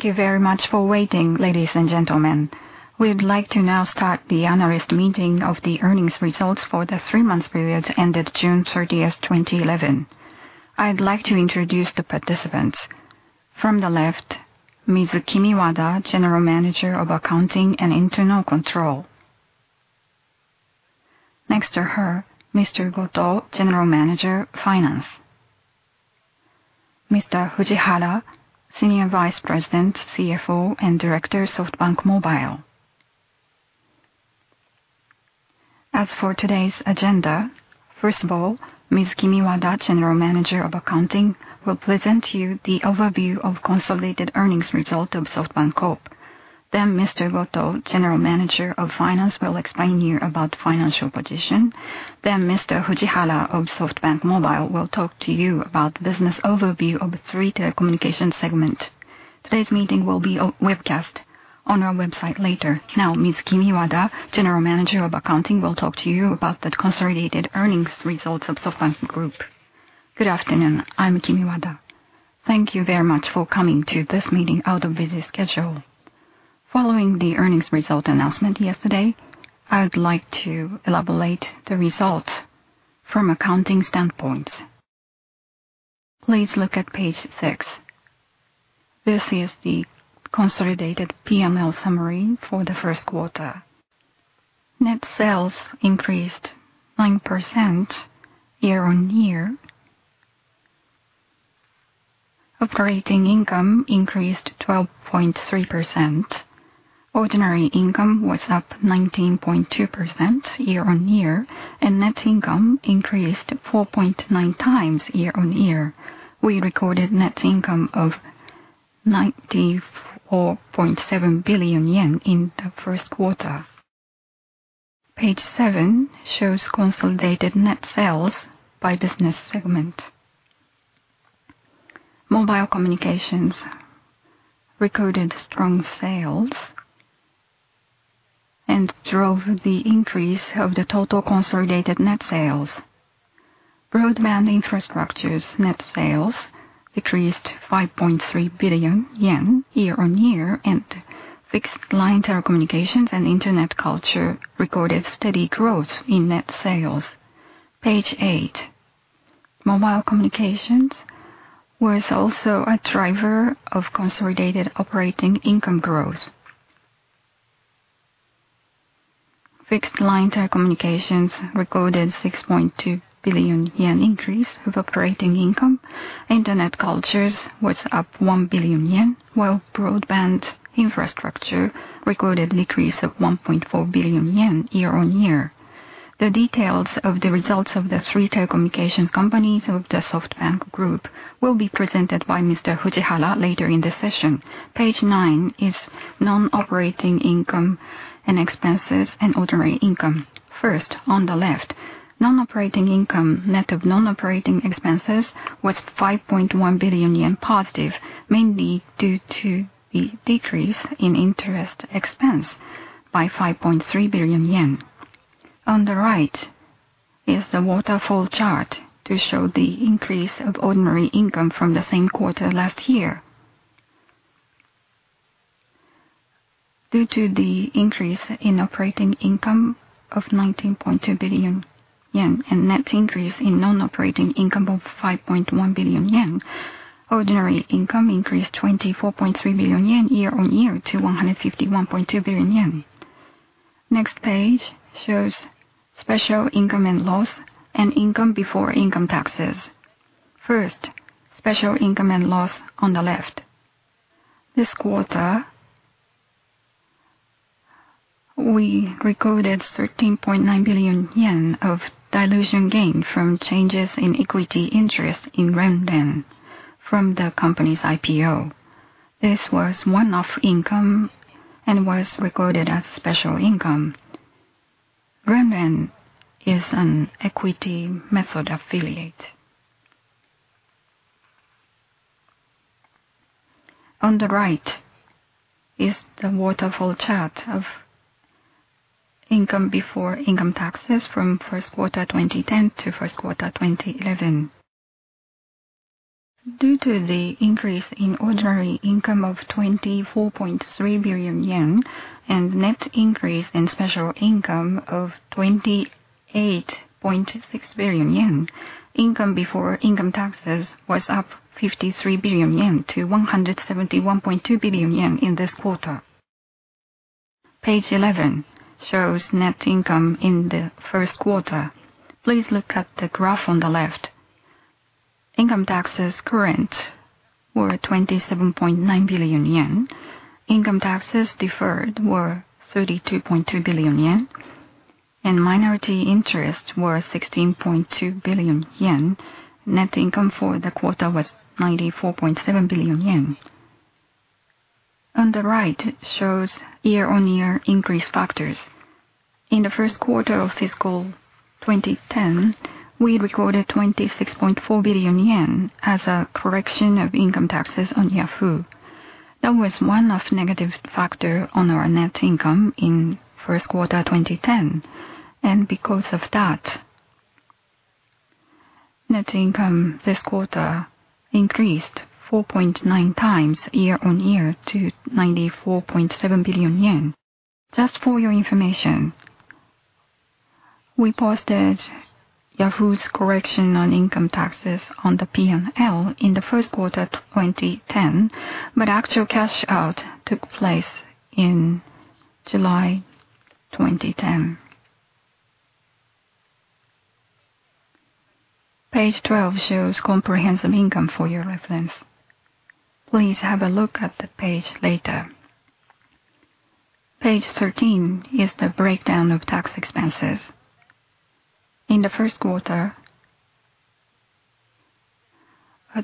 Thank you very much for waiting, ladies and gentlemen. We'd like to now start the analyst meeting of the earnings results for the three-month period ended June 30, 2011. I'd like to introduce the participants. From the left, Ms. Kimiwada, General Manager of Accounting and Internal Control. Next to her, Mr. Goto, General Manager of Finance. Mr. Fujihara, Senior Vice President, CFO, and Director, SoftBank Mobile. As for today's agenda, first of all, Ms. Kimiwada, General Manager of Accounting, will present to you the overview of consolidated earnings results of SoftBank Corp. Then, Mr. Goto, General Manager of Finance, will explain to you about the financial position. Mr. Fujihara of SoftBank Mobile will talk to you about the business overview of the three telecommunications segments. Today's meeting will be a webcast on our website later. Now, Ms. Kimiwada, General Manager of Accounting, will talk to you about the consolidated earnings results of SoftBank Group. Good afternoon. I'm Kimiwada. Thank you very much for coming to this meeting out of busy schedule. Following the earnings result announcement yesterday, I'd like to elaborate the results from accounting standpoints. Please look at page six. This is the consolidated P&L summary for the first quarter. Net sales increased 9% year-on-year. Operating income increased 12.3%. Ordinary income was up 19.2% year-on-year, and net income increased 4.9x year-on-year. We recorded net income of 94.7 billion yen in the first quarter. Page seven shows consolidated net sales by business segment. Mobile communications recorded strong sales and drove the increase of the total consolidated net sales. Broadband infrastructure's net sales decreased 5.3 billion yen year-on-year, and fixed-line telecommunications and internet culture recorded steady growth in net sales. Page eight. Mobile communications was also a driver of consolidated operating income growth. Fixed-line telecommunications recorded 6.2 billion yen increase of operating income. Internet culture was up 1 billion yen, while broadband infrastructure recorded a decrease of 1.4 billion yen year-on-year. The details of the results of the three telecommunications companies of the SoftBank Group will be presented by Mr. Fujihara later in the session. Page nine is non-operating income and expenses and ordinary income. First, on the left, non-operating income net of non-operating expenses was 5.1 billion yen positive, mainly due to the decrease in interest expense by 5.3 billion yen. On the right is the waterfall chart to show the increase of ordinary income from the same quarter last year. Due to the increase in operating income of 19.2 billion yen and net increase in non-operating income of 5.1 billion yen, ordinary income increased 24.3 billion yen year-on-year to 151.2 billion yen. Next page shows special income and loss and income before income taxes. First, special income and loss on the left. This quarter, we recorded 13.9 billion yen of dilution gain from changes in equity interest in Renren from the company's IPO. This was one-off income and was recorded as special income. Renren is an equity method affiliate. On the right is the waterfall chart of income before income taxes from first quarter 2010 to first quarter 2011. Due to the increase in ordinary income of 24.3 billion yen and net increase in special income of 28.6 billion yen, income before income taxes was up 53 billion-171.2 billion yen in this quarter. Page 11 shows net income in the first quarter. Please look at the graph on the left. Income taxes current were 27.9 billion yen. Income taxes deferred were 32.2 billion yen, and minority interest were 16.2 billion yen. Net income for the quarter was 94.7 billion yen. On the right shows year-on-year increase factors. In the first quarter of fiscal 2010, we recorded 26.4 billion yen as a correction of income taxes on Yahoo. That was one of the negative factors on our net income in first quarter 2010, and because of that, net income this quarter increased 4.9x year-on-year to 94.7 billion yen. Just for your information, we posted Yahoo's correction on income taxes on the P&L in the first quarter 2010, but actual cash out took place in July 2010. Page 12 shows comprehensive income for your reference. Please have a look at the page later. Page 13 is the breakdown of tax expenses. In the first quarter,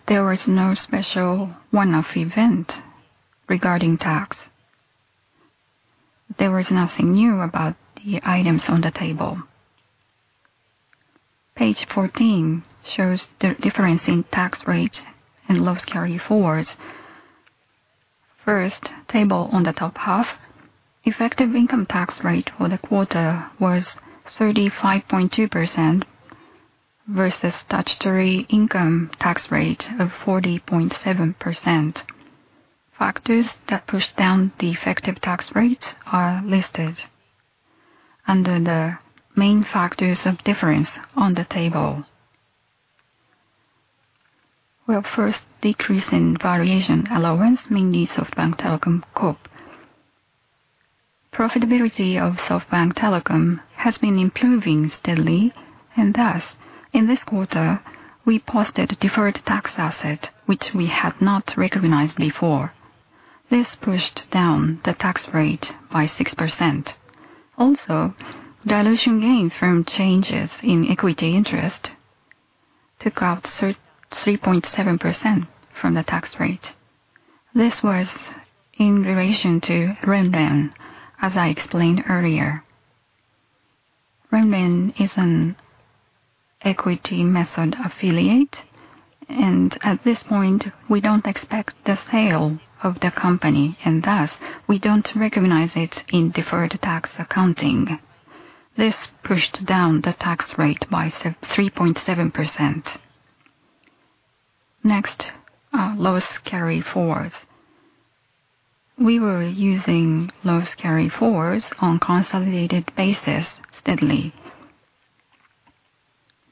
there was no special one-off event regarding tax. There was nothing new about the items on the table. Page 14 shows the difference in tax rates and loss carry forwards. First table on the top half, effective income tax rate for the quarter was 35.2% vs statutory income tax rate of 40.7%. Factors that push down the effective tax rates are listed under the main factors of difference on the table. We'll first decrease in variation allowance, mainly SoftBank Telecom Corp. Profitability of SoftBank Telecom has been improving steadily, and thus, in this quarter, we posted deferred tax assets, which we had not recognized before. This pushed down the tax rate by 6%. Also, dilution gain from changes in equity interest took out 3.7% from the tax rate. This was in relation to Renren, as I explained earlier. Renren is an equity method affiliate, and at this point, we don't expect the sale of the company, and thus, we don't recognize it in deferred tax accounting. This pushed down the tax rate by 3.7%. Next, loss carryforwards. We were using loss carryforwards on a consolidated basis steadily.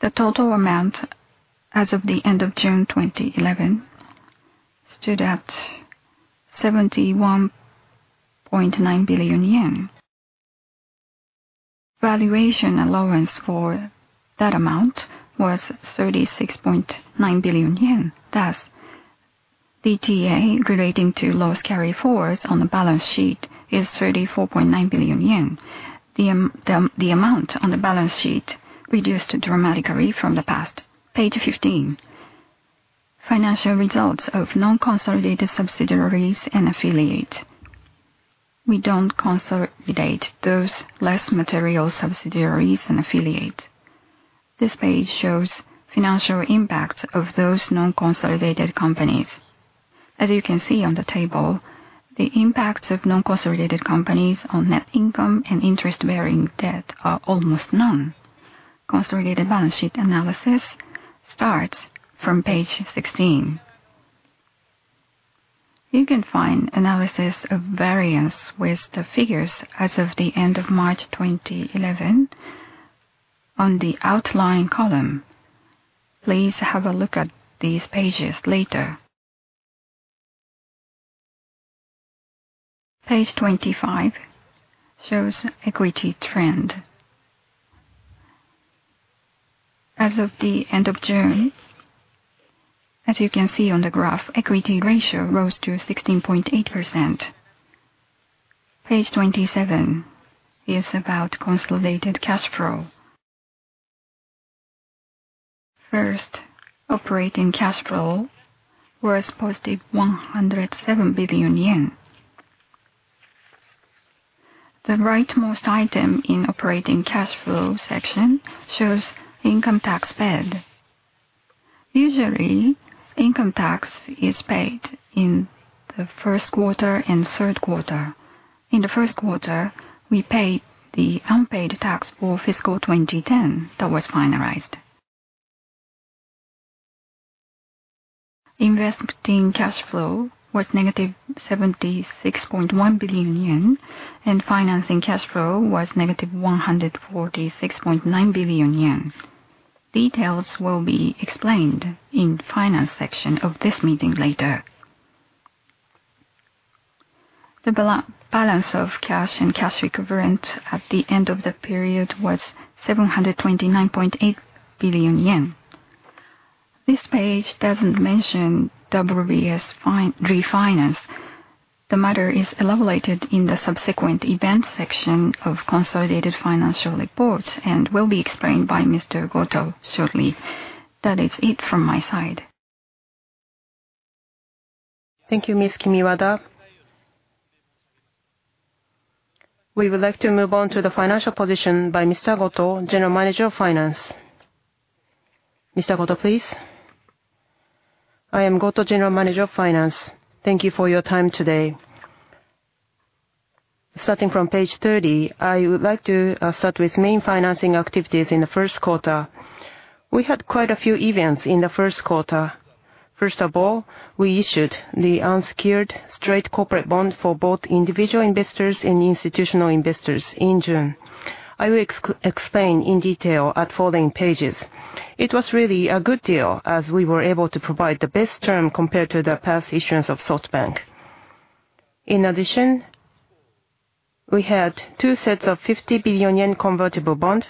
The total amount as of the end of June 2011 stood at JPY 71.9 billion. Valuation allowance for that amount was 36.9 billion yen. Thus, DTA relating to loss carry forwards on the balance sheet is 34.9 billion yen. The amount on the balance sheet reduced dramatically from the past. Page 15, financial results of non-consolidated subsidiaries and affiliates. We don't consolidate those less material subsidiaries and affiliates. This page shows financial impacts of those non-consolidated companies. As you can see on the table, the impacts of non-consolidated companies on net income and interest-bearing debt are almost none. Consolidated balance sheet analysis starts from page 16. You can find analysis of variance with the figures as of the end of March 2011 on the outline column. Please have a look at these pages later. Page 25 shows equity trend. As of the end of June, as you can see on the graph, equity ratio rose to 16.8%. Page 27 is about consolidated cash flow. First, operating cash flow was +JPY 107 billion. The rightmost item in operating cash flow section shows income tax paid. Usually, income tax is paid in the first quarter and third quarter. In the first quarter, we paid the unpaid tax for fiscal 2010 that was finalized. Investing cash flow was -76.1 billion yen, and financing cash flow was -146.9 billion yen. Details will be explained in the finance section of this meeting later. The balance of cash and cash recovery at the end of the period was 729.8 billion yen. This page doesn't mention WBS refinance. The matter is elaborated in the subsequent event section of consolidated financial reports and will be explained by Mr. Goto shortly. That is it from my side. Thank you, Ms. Kimiwada. We would like to move on to the financial position by Mr. Goto, General Manager of Finance. Mr. Goto, please. I am Goto, General Manager of Finance. Thank you for your time today. Starting from page 30, I would like to start with main financing activities in the first quarter. We had quite a few events in the first quarter. First of all, we issued the unsecured straight corporate bond for both individual investors and institutional investors in June. I will explain in detail at the following pages. It was really a good deal as we were able to provide the best term compared to the past issuance of SoftBank. In addition, we had two sets of 50 billion yen convertible bonds,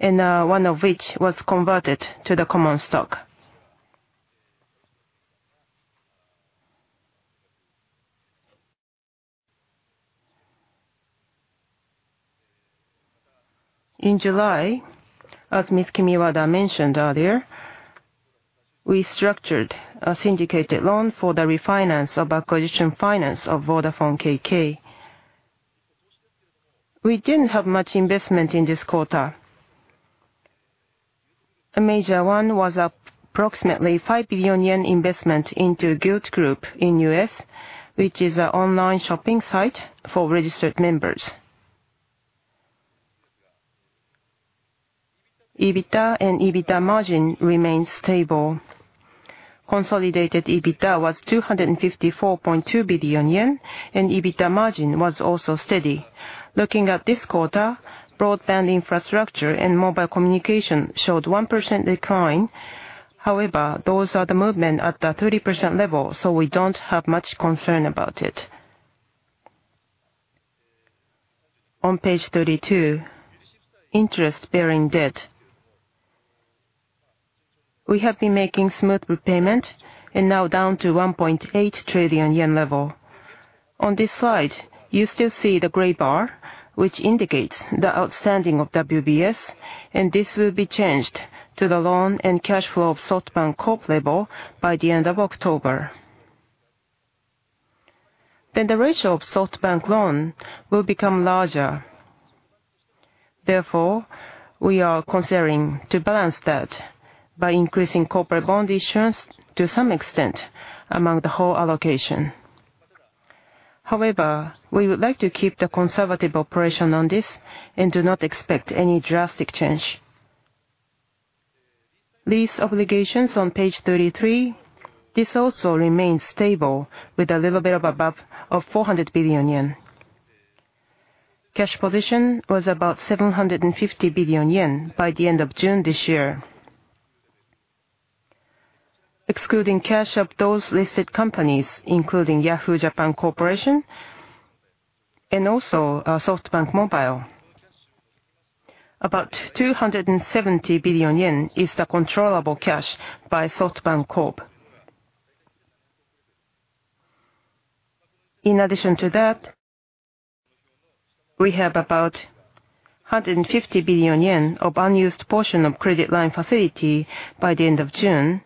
and one of which was converted to the common stock. In July, as Ms. Kimiwada mentioned earlier, we structured a syndicated loan for the refinance of acquisition finance of Vodafone K.K. We didn't have much investment in this quarter. A major one was approximately 5 billion yen investment into Gilt Group in the U.S., which is an online shopping site for registered members. EBITDA and EBITDA margin remained stable. Consolidated EBITDA was 254.2 billion yen, and EBITDA margin was also steady. Looking at this quarter, broadband infrastructure and mobile communication showed 1% decline. However, those are the movements at the 30% level, so we don't have much concern about it. On page 32, interest-bearing debt. We have been making smooth repayment and now down to 1.8 trillion yen level. On this slide, you still see the gray bar, which indicates the outstanding of WBS, and this will be changed to the loan and cash flow of SoftBank Corp. level by the end of October. The ratio of SoftBank loan will become larger. Therefore, we are considering to balance that by increasing corporate bond issuance to some extent among the whole allocation. However, we would like to keep the conservative operation on this and do not expect any drastic change. Lease obligations on page 33, this also remains stable with a little bit of a bump of 400 billion yen. Cash position was about 750 billion yen by the end of June this year. Excluding cash of those listed companies, including Yahoo Japan Corporation and also SoftBank Mobile, about 270 billion yen is the controllable cash by SoftBank Corp. In addition to that, we have about 150 billion yen of unused portion of credit line facility by the end of June.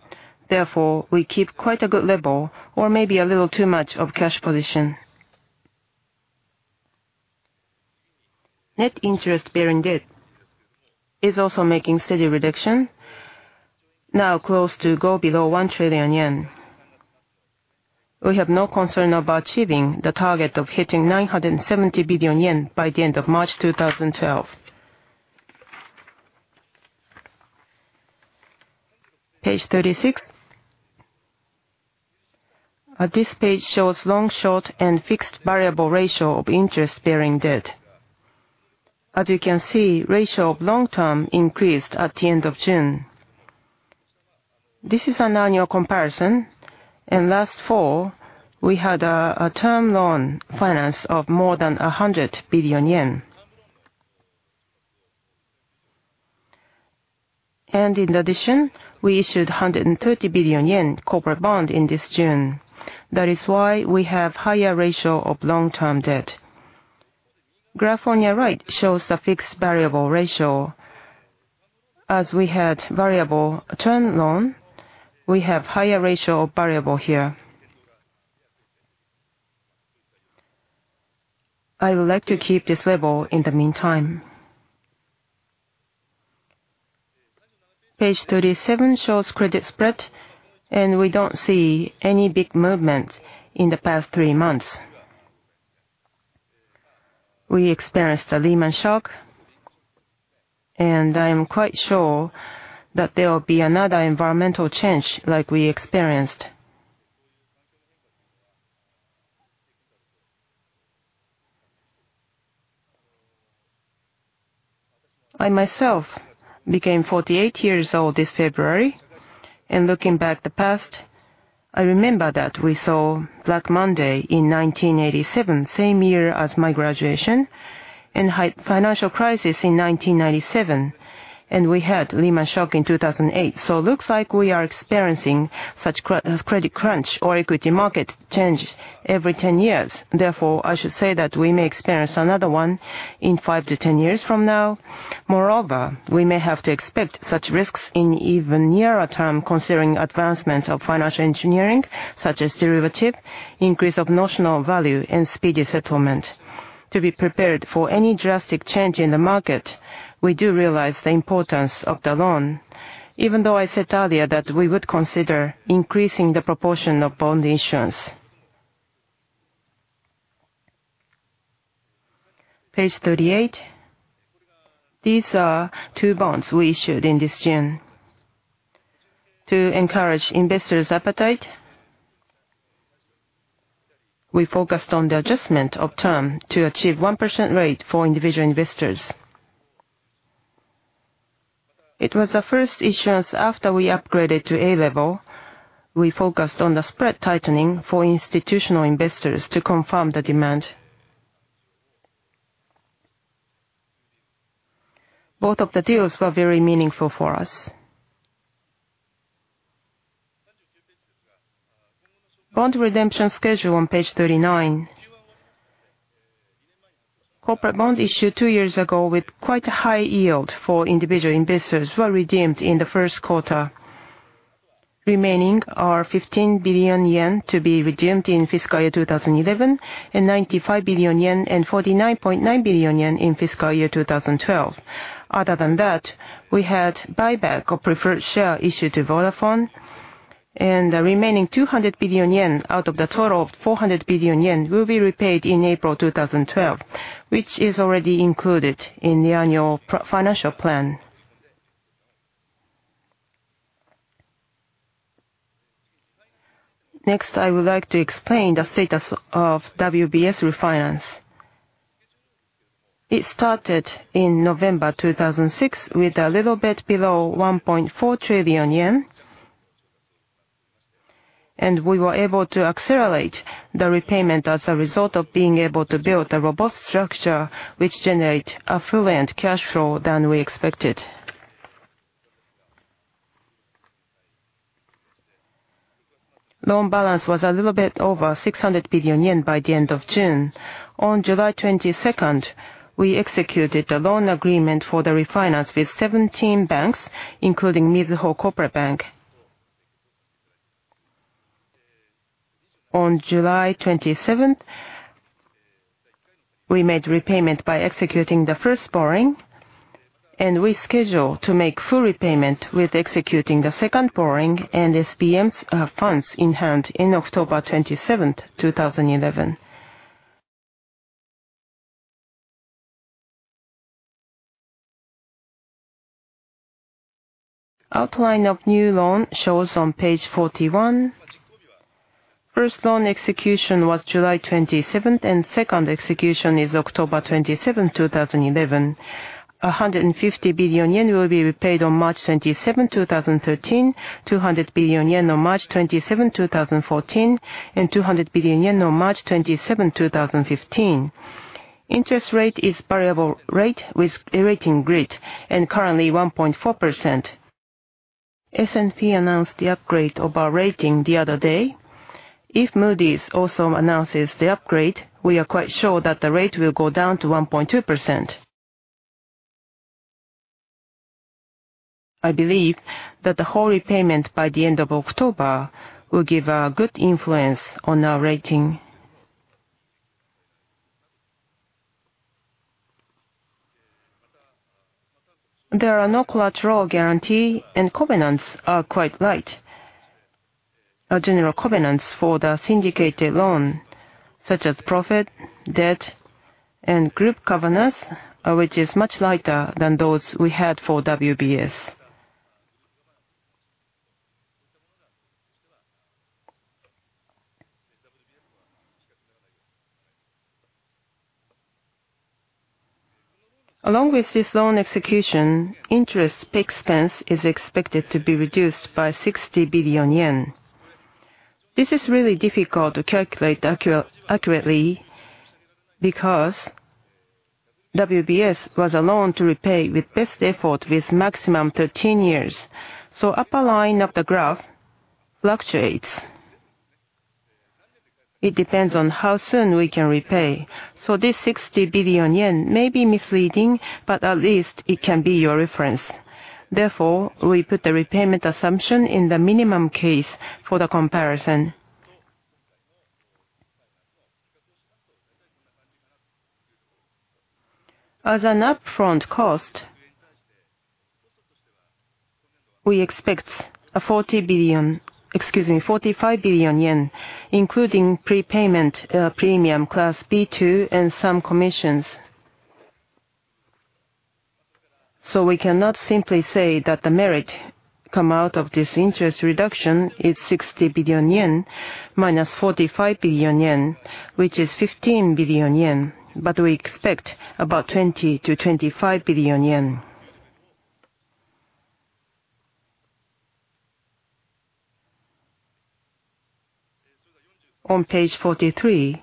Therefore, we keep quite a good level or maybe a little too much of cash position. Net interest-bearing debt is also making steady reduction, now close to go below 1 trillion yen. We have no concern about achieving the target of hitting 970 billion yen by the end of March 2012. Page 36. This page shows long, short, and fixed variable ratio of interest-bearing debt. As you can see, the ratio of long-term increased at the end of June. This is an annual comparison, and last fall, we had a term loan finance of more than 100 billion yen. In addition, we issued 130 billion yen corporate bond in this June. That is why we have a higher ratio of long-term debt. Graph on your right shows the fixed variable ratio. As we had variable term loan, we have a higher ratio of variable here. I would like to keep this level in the meantime. Page 37 shows credit spread, and we don't see any big movement in the past three months. We experienced a Lehman shock, and I am quite sure that there will be another environmental change like we experienced. I myself became 48 years old this February, and looking back at the past, I remember that we saw that Monday in 1987, same year as my graduation, and the financial crisis in 1997. We had a Lehman shock in 2008. It looks like we are experiencing such a credit crunch or equity market change every 10 years. Therefore, I should say that we may experience another one in 5 years-10 years from now. Moreover, we may have to expect such risks in an even nearer term considering advancements of financial engineering, such as derivative, increase of notional value, and speedy settlement. To be prepared for any drastic change in the market, we do realize the importance of the loan, even though I said earlier that we would consider increasing the proportion of bond issuance. Page 38. These are two bonds we issued in this June. To encourage investors' appetite, we focused on the adjustment of term to achieve a 1% rate for individual investors. It was the first issuance after we upgraded to A level. We focused on the spread tightening for institutional investors to confirm the demand. Both of the deals were very meaningful for us. Bond redemption schedule on page 39. Corporate bonds issued two years ago with quite a high yield for individual investors were redeemed in the first quarter. Remaining are 15 billion yen to be redeemed in fiscal year 2011 and 95 billion yen and 49.9 billion yen in fiscal year 2012. Other than that, we had buyback of preferred share issued to Vodafone K.K., and the remaining 200 billion yen out of the total of 400 billion yen will be repaid in April 2012, which is already included in the annual financial plan. Next, I would like to explain the status of WBS refinance. It started in November 2006 with a little bit below 1.4 trillion yen, and we were able to accelerate the repayment as a result of being able to build a robust structure which generated affluent cash flow than we expected. Loan balance was a little bit over 600 billion yen by the end of June. On July 22, we executed the loan agreement for the refinance with 17 banks, including Mizuho Corporate Bank. On July 27, we made repayment by executing the first borrowing, and we scheduled to make full repayment with executing the second borrowing and SBM funds in hand on October 27, 2011. Outline of new loan shows on page 41. First loan execution was July 27, and second execution is October 27, 2011. 150 billion yen will be repaid on March 27, 2013, 200 billion yen on March 27, 2014, and 200 billion yen on March 27, 2015. Interest rate is a variable rate with a rating grid and currently 1.4%. S&P announced the upgrade of our rating the other day. If Moody's also announces the upgrade, we are quite sure that the rate will go down to 1.2%. I believe that the whole repayment by the end of October will give a good influence on our rating. There are no collateral guarantees, and covenants are quite light. General covenants for the syndicated loan, such as profit, debt, and group covenants, which is much lighter than those we had for WBS. Along with this loan execution, interest per expense is expected to be reduced by 60 billion yen. This is really difficult to calculate accurately because WBS was allowed to repay with best effort with maximum 13 years. The upper line of the graph fluctuates. It depends on how soon we can repay. This 60 billion yen may be misleading, but at least it can be your reference. Therefore, we put the repayment assumption in the minimum case for the comparison. As an upfront cost, we expect a 40 billion, excuse me, 45 billion yen, including prepayment premium class B2 and some commissions. We cannot simply say that the merit come out of this interest reduction is 60 billion yen - 45 billion yen, which is 15 billion yen, but we expect about 20 billion-25 billion yen. On page 43,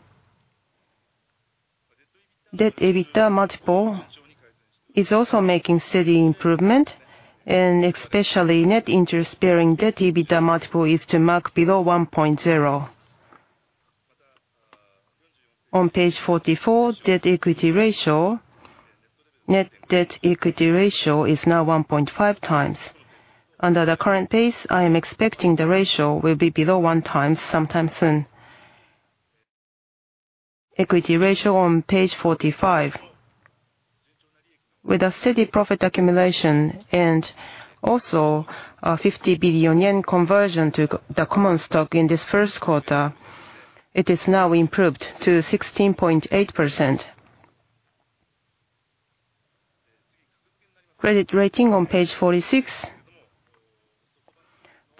debt EBITDA multiple is also making steady improvement, and especially net interest-bearing debt EBITDA multiple is to mark below 1.0. On page 44, debt equity ratio, net debt equity ratio is now 1.5x. Under the current pace, I am expecting the ratio will be below 1x sometime soon. Equity ratio on page 45 with a steady profit accumulation and also a 50 billion yen conversion to the common stock in this first quarter, it is now improved to 16.8%. Credit rating on page 46,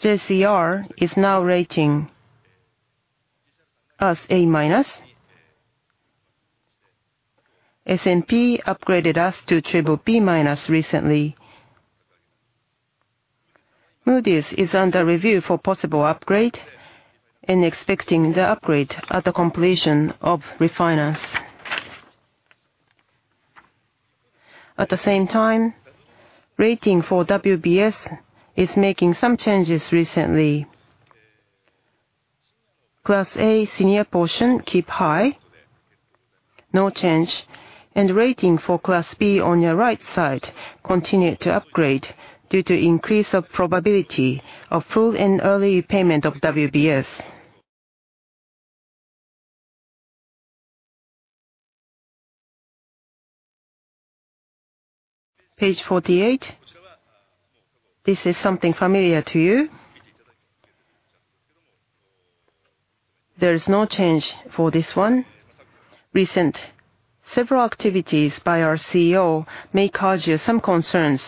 JCR is now rating us A-. S&P upgraded us to BBB- recently. Moody's is under review for possible upgrade and expecting the upgrade at the completion of refinance. At the same time, rating for WBS is making some changes recently. Class A senior portion keep high, no change, and rating for class B on your right side continue to upgrade due to increase of probability of full and early repayment of WBS. Page 48. This is something familiar to you. There is no change for this one. Recent several activities by our CEO may cause you some concerns,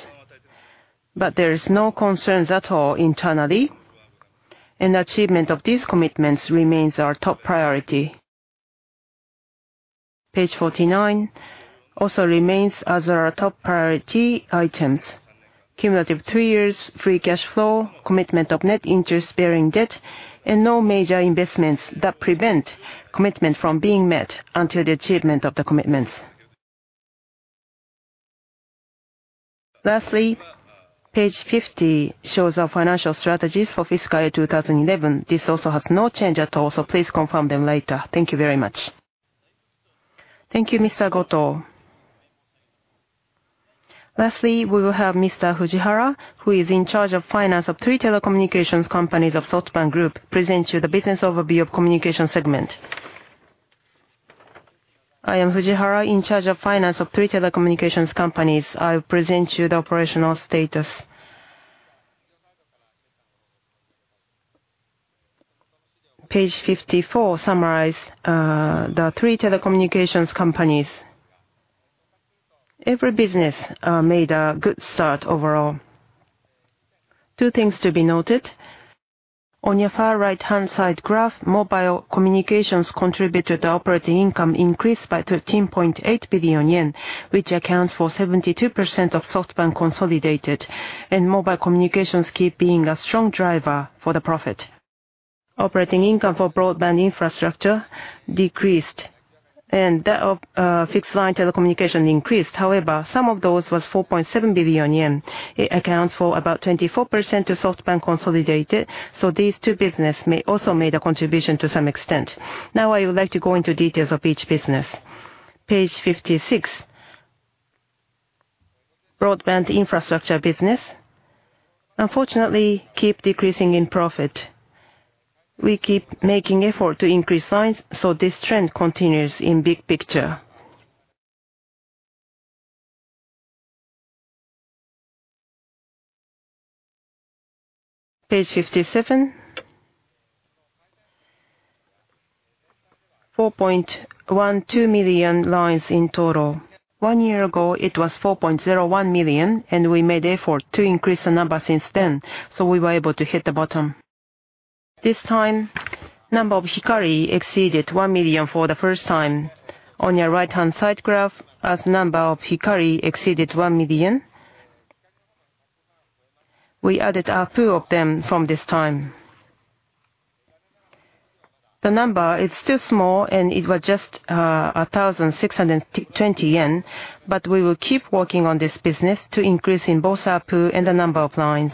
but there are no concerns at all internally, and the achievement of these commitments remains our top priority. Page 49 also remains as our top priority items. Cumulative two years, free cash flow, commitment of net interest-bearing debt, and no major investments that prevent commitment from being met until the achievement of the commitments. Lastly, page 50 shows our financial strategies for fiscal year 2011. This also has no change at all, so please confirm them later. Thank you very much. Thank you, Mr. Goto. Lastly, we will have Mr. Fujihara, who is in charge of finance of three telecommunications companies of SoftBank Group, present you the business overview of the Communication segment. I am Fujihara, in charge of finance of three telecommunications companies. I will present you the operational status. Page 54 summarizes the three telecommunications companies. Every business made a good start overall. Two things to be noted. On your far right-hand side graph, mobile communications contributed to the operating income increase by 13.8 billion yen, which accounts for 72% of SoftBank consolidated, and mobile communications keep being a strong driver for the profit. Operating income for broadband infrastructure decreased, and that of fixed-line telecommunication increased. However, some of those were 4.7 billion yen. It accounts for about 24% of SoftBank consolidated, so these two businesses may also have made a contribution to some extent. Now I would like to go into details of each business. Page 56. Broadband infrastructure business, unfortunately, keeps decreasing in profit. We keep making effort to increase lines, so this trend continues in the big picture. Page 57. 4.12 million lines in total. One year ago, it was 4.01 million, and we made effort to increase the number since then, so we were able to hit the bottom. This time, the number of Hikari exceeded 1 million for the first time. On your right-hand side graph, the number of Hikari exceeded 1 million. We added a few of them from this time. The number is still small, and it was just 1,620 yen, but we will keep working on this business to increase in both ARPU and the number of lines.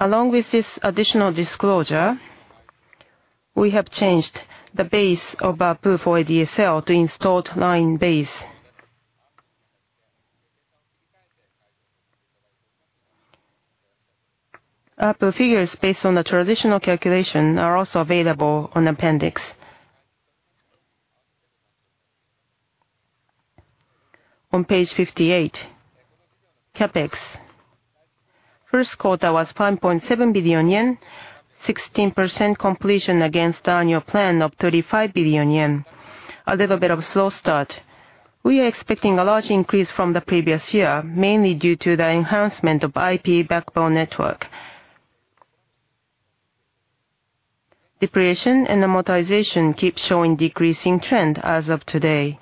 Along with this additional disclosure, we have changed the base of ARPU for ADSL to installed line base. Our pool figures based on the traditional calculation are also available on the appendix. On page 58, CapEx. First quarter was 5.7 billion yen, 16% completion against the annual plan of 35 billion yen. A little bit of a slow start. We are expecting a large increase from the previous year, mainly due to the enhancement of IP backbone network. Depreciation and amortization keep showing a decreasing trend as of today.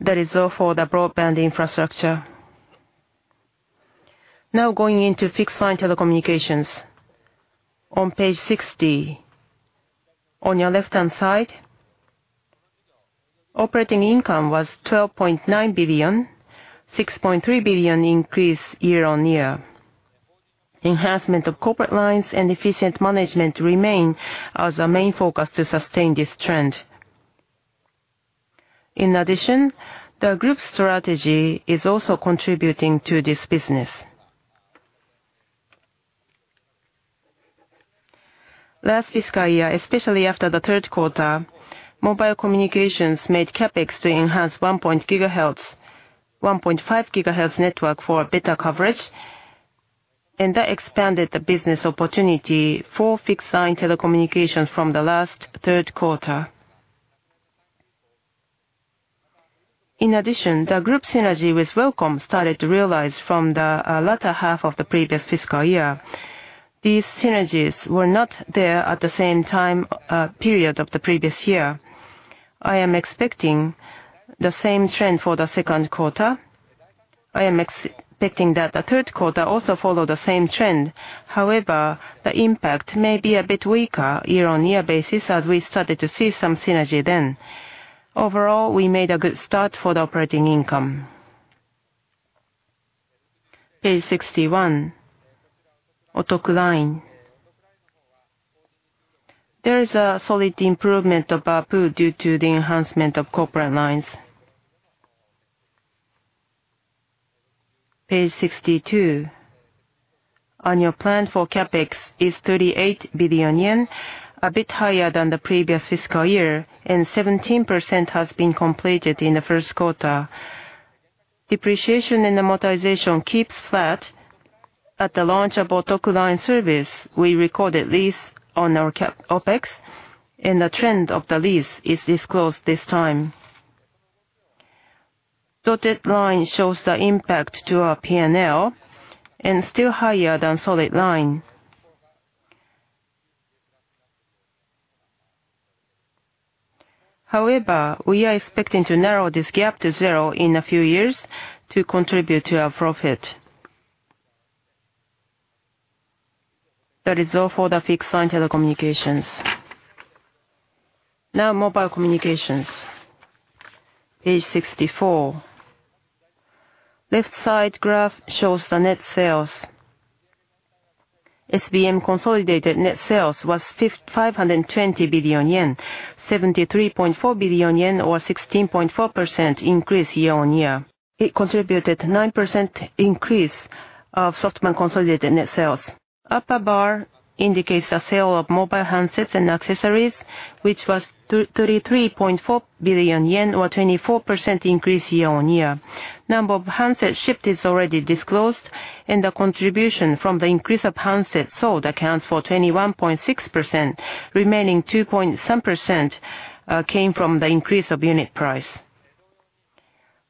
That is all for the broadband infrastructure. Now going into fixed-line telecommunications. On page 60, on your left-hand side, operating income was 12.9 billion, 6.3 billion increase year-on-year. Enhancement of corporate lines and efficient management remain as a main focus to sustain this trend. In addition, the group strategy is also contributing to this business. Last fiscal year, especially after the third quarter, mobile communications made CapEx to enhance 1.5 GHz network for better coverage, and that expanded the business opportunity for fixed-line telecommunications from the last third quarter. In addition, the group synergy with WILLCOM started to realize from the latter half of the previous fiscal year. These synergies were not there at the same time period of the previous year. I am expecting the same trend for the second quarter. I am expecting that the third quarter also follow the same trend. However, the impact may be a bit weaker year-on-year basis as we started to see some synergy then. Overall, we made a good start for the operating income. Page 61, OTOKU Line. There is a solid improvement of ARPU due to the enhancement of corporate lines. Page 62. Annual plan for CapEx is 38 billion yen, a bit higher than the previous fiscal year, and 17% has been completed in the first quarter. Depreciation and amortization keep flat. At the launch of OTOKU Line service, we recorded lease on our CapEx, and the trend of the lease is disclosed this time. Dotted line shows the impact to our P&L and still higher than solid line. However, we are expecting to narrow this gap to zero in a few years to contribute to our profit. That is all for the fixed-line telecommunications. Now, mobile communications. Page 64. Left side graph shows the net sales. SBM consolidated net sales was 520 billion yen, 73.4 billion yen, or 16.4% increase year-on-year. It contributed to a 9% increase of SoftBank consolidated net sales. Upper bar indicates a sale of mobile handsets and accessories, which was 33.4 billion yen, or a 24% increase year-on-year. The number of handsets shipped is already disclosed, and the contribution from the increase of handsets sold accounts for 21.6%. Remaining 2.7% came from the increase of unit price.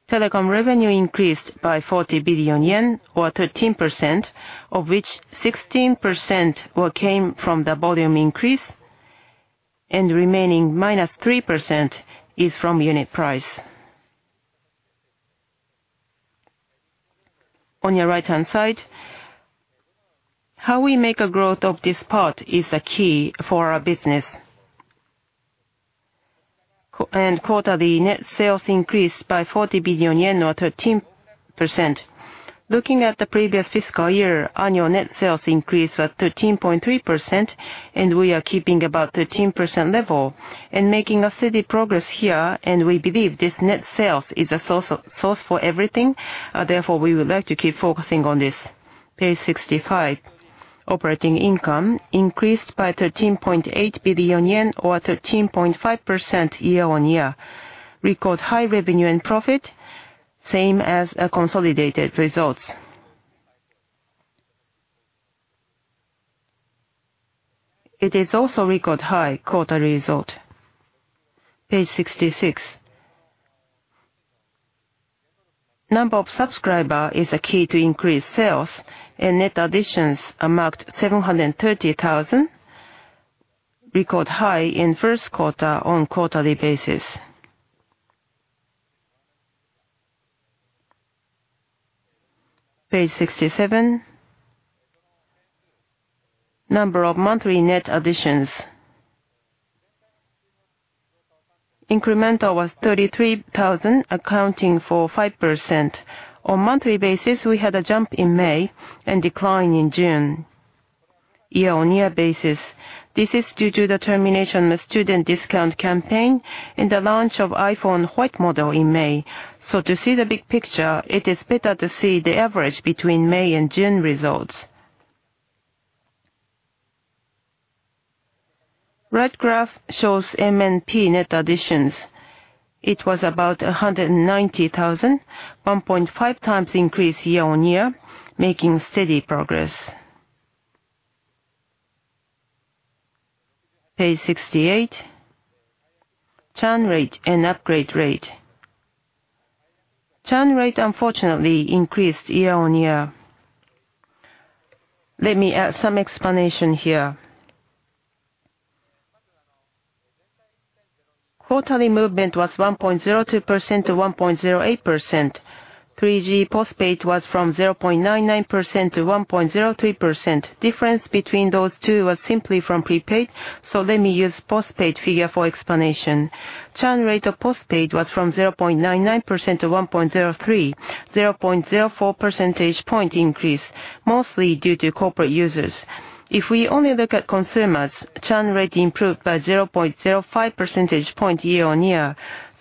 Telecom revenue increased by 40 billion yen, or 13%, of which 16% came from the volume increase, and the remaining -3% is from unit price. On your right-hand side, how we make a growth of this part is the key for our business. End quarter, the net sales increased by 40 billion yen, or 13%. Looking at the previous fiscal year, annual net sales increased at 13.3%, and we are keeping about the 13% level and making steady progress here. We believe this net sales is a source for everything. Therefore, we would like to keep focusing on this. Page 65. Operating income increased by 13.8 billion yen, or 13.5% year-on-year. Record high revenue and profit, same as consolidated results. It is also record high quarter result. Page 66. Number of subscribers is a key to increase sales, and net additions are marked 730,000, record high in the first quarter on a quarterly basis. Page 67. Number of monthly net additions. Incremental was 33,000, accounting for 5%. On a monthly basis, we had a jump in May and a decline in June, year-on-year basis. This is due to the termination of the student discount campaign and the launch of the iPhone white model in May. To see the big picture, it is better to see the average between May and June results. Red graph shows MNP net additions. It was about 190,000, 1.5x increase year-on-year, making steady progress. Page 68. Churn rate and upgrade rate. Churn rate, unfortunately, increased year-on-year. Let me add some explanation here. Quarterly movement was 1.02%-1.08%. 3G postpaid was from 0.99%-1.03%. The difference between those two was simply from prepaid, so let me use the postpaid figure for explanation. Churn rate of postpaid was from 0.99%-1.03%, 0.04 percentage point increase, mostly due to corporate users. If we only look at consumers, churn rate improved by 0.05 percentage point year-on-year.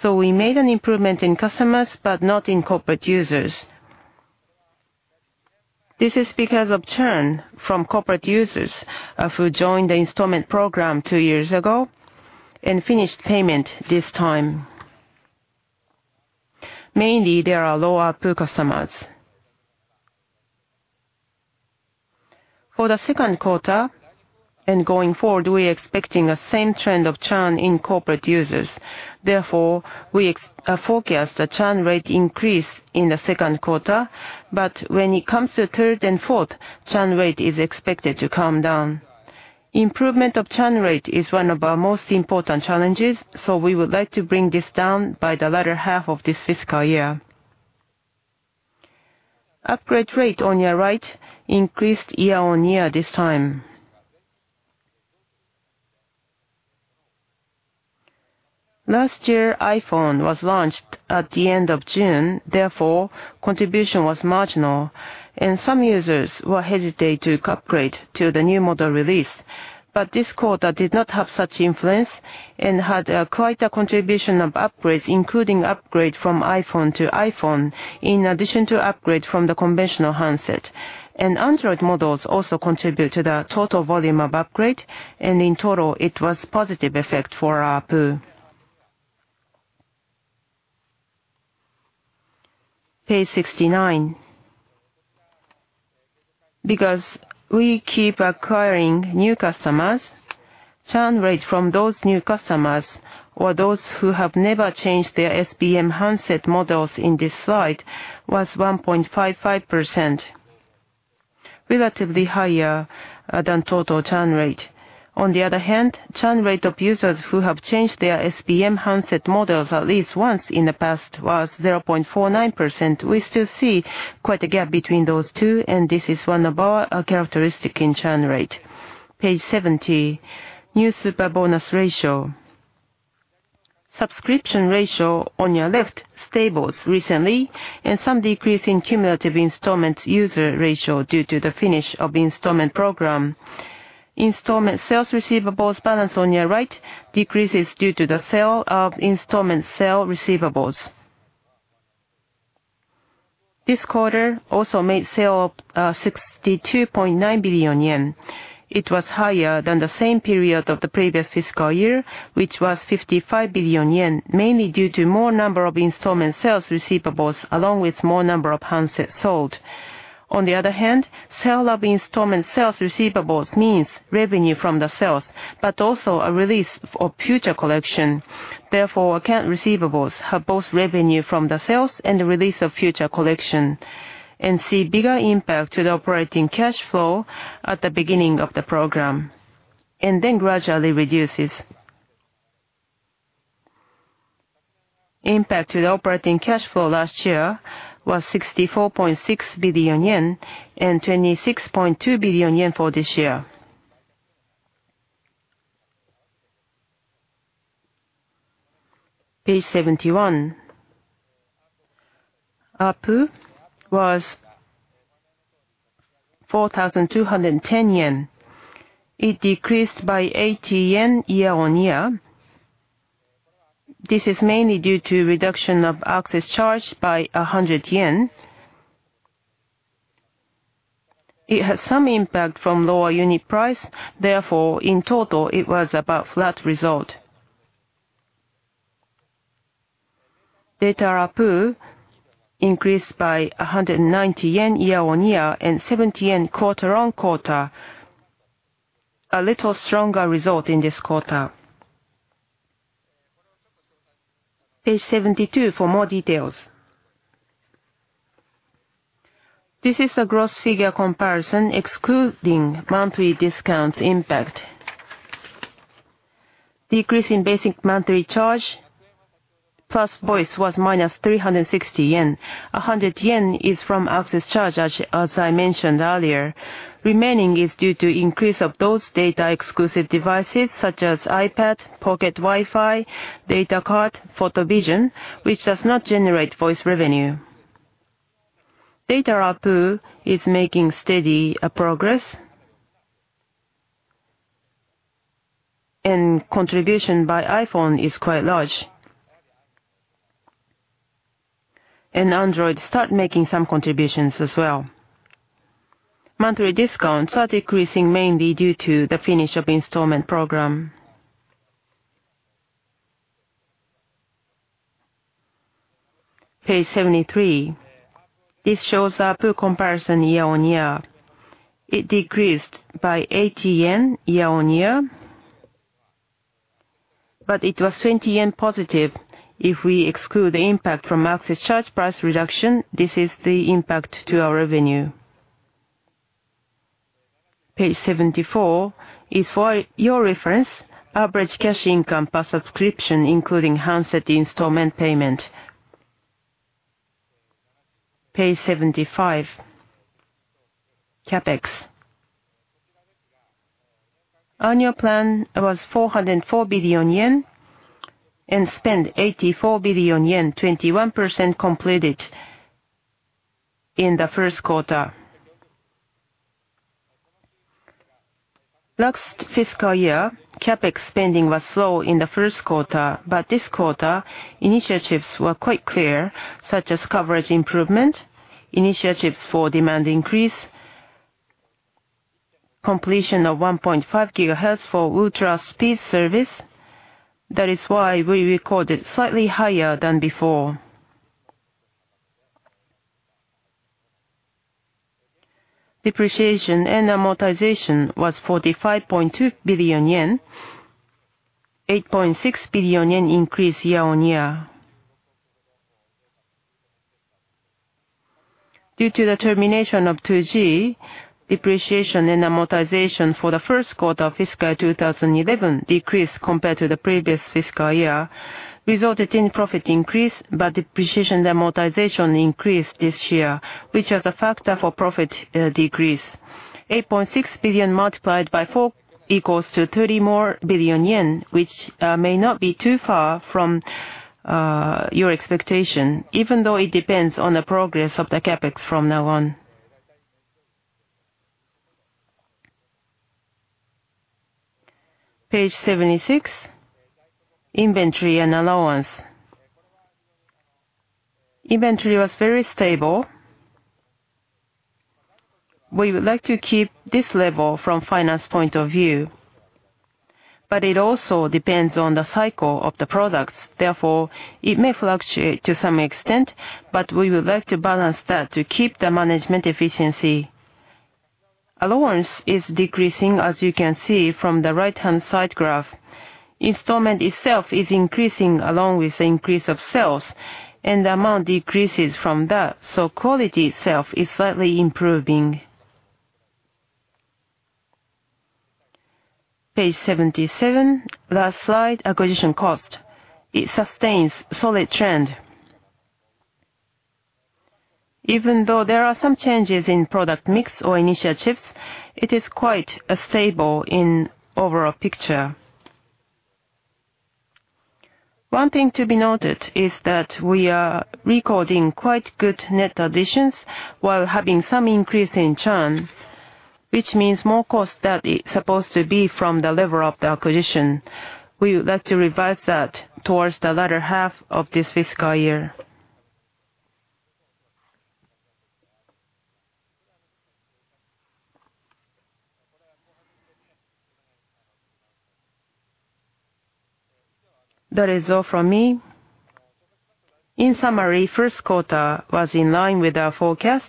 We made an improvement in customers, but not in corporate users. This is because of churn from corporate users who joined the installment program two years ago and finished payment this time. Mainly, there are lower pool customers. For the second quarter and going forward, we are expecting the same trend of churn in corporate users. Therefore, we forecast a churn rate increase in the second quarter, but when it comes to the third and fourth, churn rate is expected to calm down. Improvement of churn rate is one of our most important challenges, so we would like to bring this down by the latter half of this fiscal year. Upgrade rate on your right increased year-on-year this time. Last year, iPhone was launched at the end of June. Therefore, contribution was marginal, and some users were hesitant to upgrade to the new model release. This quarter did not have such influence and had quite a contribution of upgrades, including upgrades from iPhone to iPhone, in addition to upgrades from the conventional handset. Android models also contribute to the total volume of upgrade, and in total, it was a positive effect for ARPU. Page 69. Because we keep acquiring new customers, churn rate from those new customers or those who have never changed their SBM handset models in this slide was 1.55%, relatively higher than total churn rate. On the other hand, churn rate of users who have changed their SBM handset models at least once in the past was 0.49%. We still see quite a gap between those two, and this is one of our characteristics in churn rate. Page 70. New super bonus ratio. Subscription ratio on your left stables recently, and some decrease in cumulative installment user ratio due to the finish of the installment program. Installment sales receivables balance on your right decreases due to the sale of installment sales receivables. This quarter also made sale of 62.9 billion yen. It was higher than the same period of the previous fiscal year, which was 55 billion yen, mainly due to more number of installment sales receivables along with more number of handsets sold. On the other hand, sale of installment sales receivables means revenue from the sales, but also a release of future collection. Therefore, account receivables have both revenue from the sales and the release of future collection and see a bigger impact to the operating cash flow at the beginning of the program and then gradually reduces. The impact to the operating cash flow last year was 64.6 billion yen and 26.2 billion yen for this year. Page 71. Our ARPU was 4,210 yen. It decreased by 80 yen year-on-year. This is mainly due to a reduction of access charge by 100 yen. It has some impact from lower unit price. Therefore, in total, it was about a flat result. Data ARPU increased by 190 yen year-on-year and 70 yen quarter-on-quarter, a little stronger result in this quarter. Page 72 for more details. This is a gross figure comparison excluding monthly discounts impact. Decrease in basic monthly charge plus voice was -360 yen. 100 yen is from access charge, as I mentioned earlier. Remaining is due to the increase of those data-exclusive devices such as iPad, Pocket Wi-Fi, data card, and PhotoVision, which does not generate voice revenue. Data ARPU is making steady progress, and contribution by iPhone is quite large. Android started making some contributions as well. Monthly discounts are decreasing mainly due to the finish of the installment program. Page 73. This shows ARPU comparison year-on-year. It decreased by 80 yen year-on-year, but it was 20 yen +. If we exclude the impact from access charge price reduction, this is the impact to our revenue. Page 74 is for your reference, average cash income per subscription, including handset installment payment. Page 75. CapEx. Annual plan was 404 billion yen and spent 84 billion yen, 21% completed in the first quarter. Last fiscal year, CapEx spending was low in the first quarter, but this quarter, initiatives were quite clear, such as coverage improvement, initiatives for demand increase, completion of 1.5 GHz for ultra-speed service. That is why we recorded slightly higher than before. Depreciation and amortization was 45.2 billion yen, 8.6 billion yen increase year-on-year. Due to the termination of 2G, depreciation and amortization for the first quarter of fiscal year 2011 decreased compared to the previous fiscal year, resulted in profit increase, but depreciation and amortization increased this year, which is a factor for profit decrease. 8.6 billion multiplied by 4 equals 30 billion yen more, which may not be too far from your expectation, even though it depends on the progress of the CapEx from now on. Page 76. Inventory and allowance. Inventory was very stable. We would like to keep this level from a finance point of view, but it also depends on the cycle of the products. Therefore, it may fluctuate to some extent, but we would like to balance that to keep the management efficiency. Allowance is decreasing, as you can see from the right-hand side graph. Installment itself is increasing along with the increase of sales, and the amount decreases from that, so quality itself is slightly improving. Page 77. Last slide, acquisition cost. It sustains a solid trend. Even though there are some changes in product mix or initiatives, it is quite stable in the overall picture. One thing to be noted is that we are recording quite good net additions while having some increase in churn, which means more costs than is supposed to be from the level of the acquisition. We would like to revise that towards the latter half of this fiscal year. That is all from me. In summary, the first quarter was in line with our forecast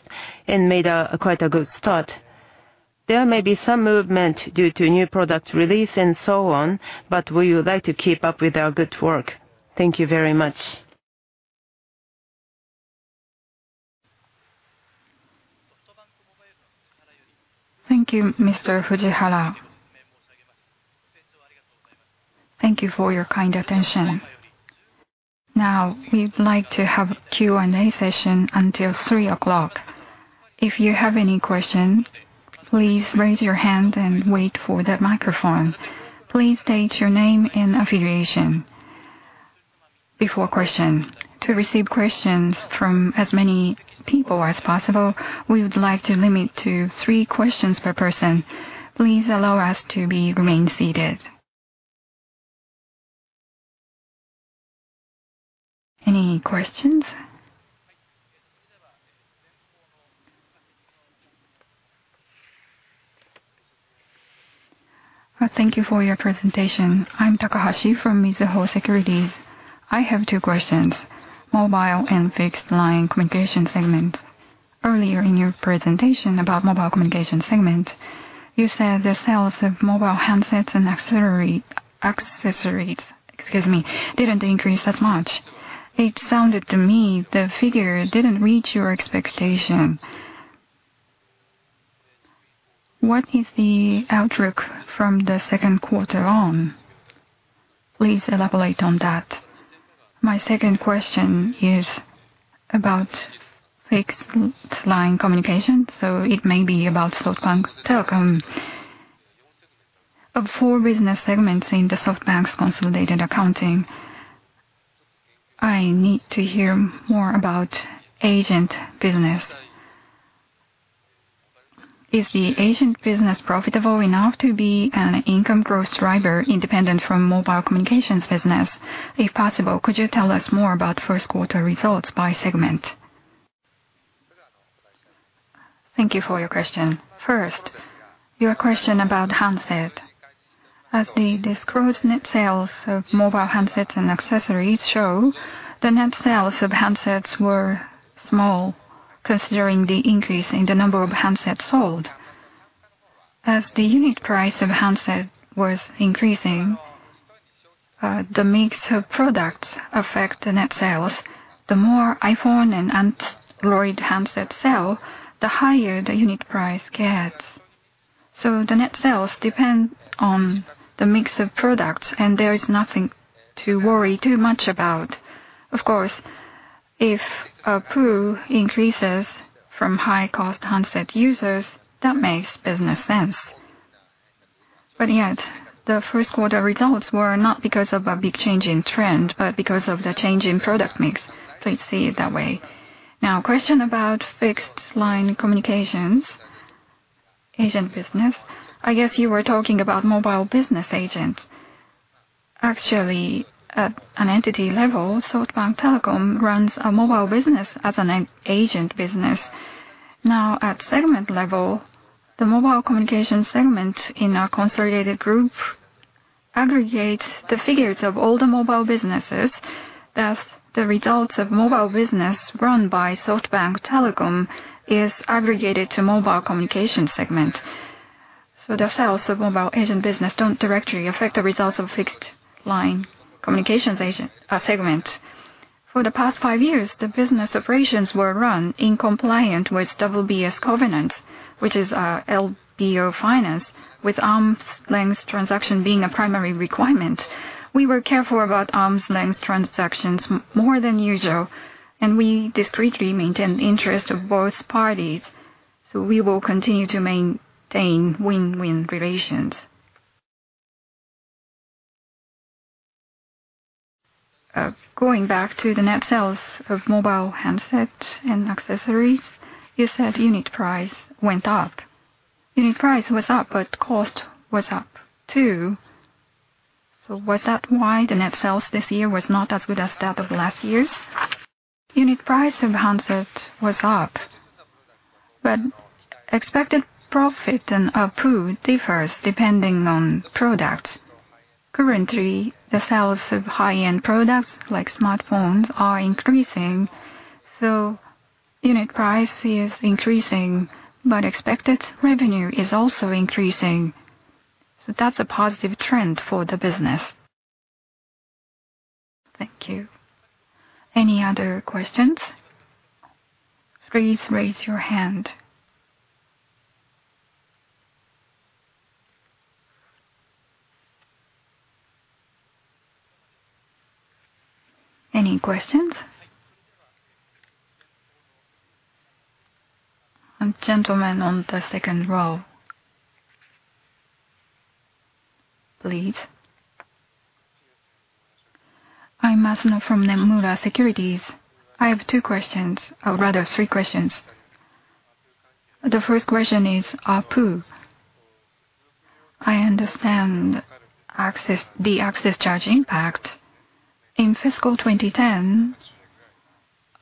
and made quite a good start. There may be some movement due to new product release and so on, but we would like to keep up with our good work. Thank you very much. Thank you, Mr. Fujihara. Thank you for your kind attention. Now, we would like to have a Q&A session until 3:00 P.M. If you have any questions, please raise your hand and wait for the microphone. Please state your name and affiliation before questions. To receive questions from as many people as possible, we would like to limit to three questions per person. Please allow us to remain seated. Any questions? Thank you for your presentation. I'm Takahashi from Mizuho Securities. I have two questions, Mobile and Fixed-line communication segments. Earlier in your presentation about the Mobile communication segment, you said the sales of mobile handsets and accessories, excuse me, didn't increase as much. It sounded to me the figure didn't reach your expectation. What is the outlook from the second quarter on? Please elaborate on that. My second question is about Fixed-line communication, so it may be about SoftBank Telecom. Of four business segments in the SoftBank's consolidated accounting, I need to hear more about agent business. Is the agent business profitable enough to be an income growth driver independent from the mobile communications business? If possible, could you tell us more about the first quarter results by segment? Thank you for your question. First, your question about handset. As the disclosed net sales of mobile handsets and accessories show, the net sales of handsets were small considering the increase in the number of handsets sold. As the unit price of handsets was increasing, the mix of products affects the net sales. The more iPhone and Android handsets sell, the higher the unit price gets. The net sales depend on the mix of products, and there is nothing to worry too much about. Of course, if a pool increases from high-cost handset users, that makes business sense. Yet, the first quarter results were not because of a big change in trend, but because of the change in product mix. Please see it that way. Now, a question about fixed-line communications, agent business. I guess you were talking about mobile business agents. Actually, at an entity level, SoftBank Telecom runs a mobile business as an agent business. At the segment level, the mobile communication segment in our consolidated group aggregates the figures of all the mobile businesses. Thus, the results of mobile business run by SoftBank Telecom are aggregated to the mobile communication segment. The sales of mobile agent business don't directly affect the results of fixed-line communications segment. For the past five years, the business operations were run in compliance with WBS Covenant, which is LBO finance, with arm's length transaction being a primary requirement. We were careful about arm's length transactions more than usual, and we discreetly maintained the interest of both parties. We will continue to maintain win-win relations. Going back to the net sales of mobile handsets and accessories, you said unit price went up. Unit price was up, but cost was up too. Was that why the net sales this year were not as good as that of last year's? Unit price of handsets was up, but expected profit in a pool differs depending on products. Currently, the sales of high-end products like smartphones are increasing, so unit price is increasing, but expected revenue is also increasing. That's a positive trend for the business. Thank you. Any other questions? Please raise your hand. Any questions? A gentleman on the second row. Please. I'm Masuno from Nomura Securities. I have two questions, or rather three questions. The first question is, ARPU, I understand the access charge impact. In fiscal 2010,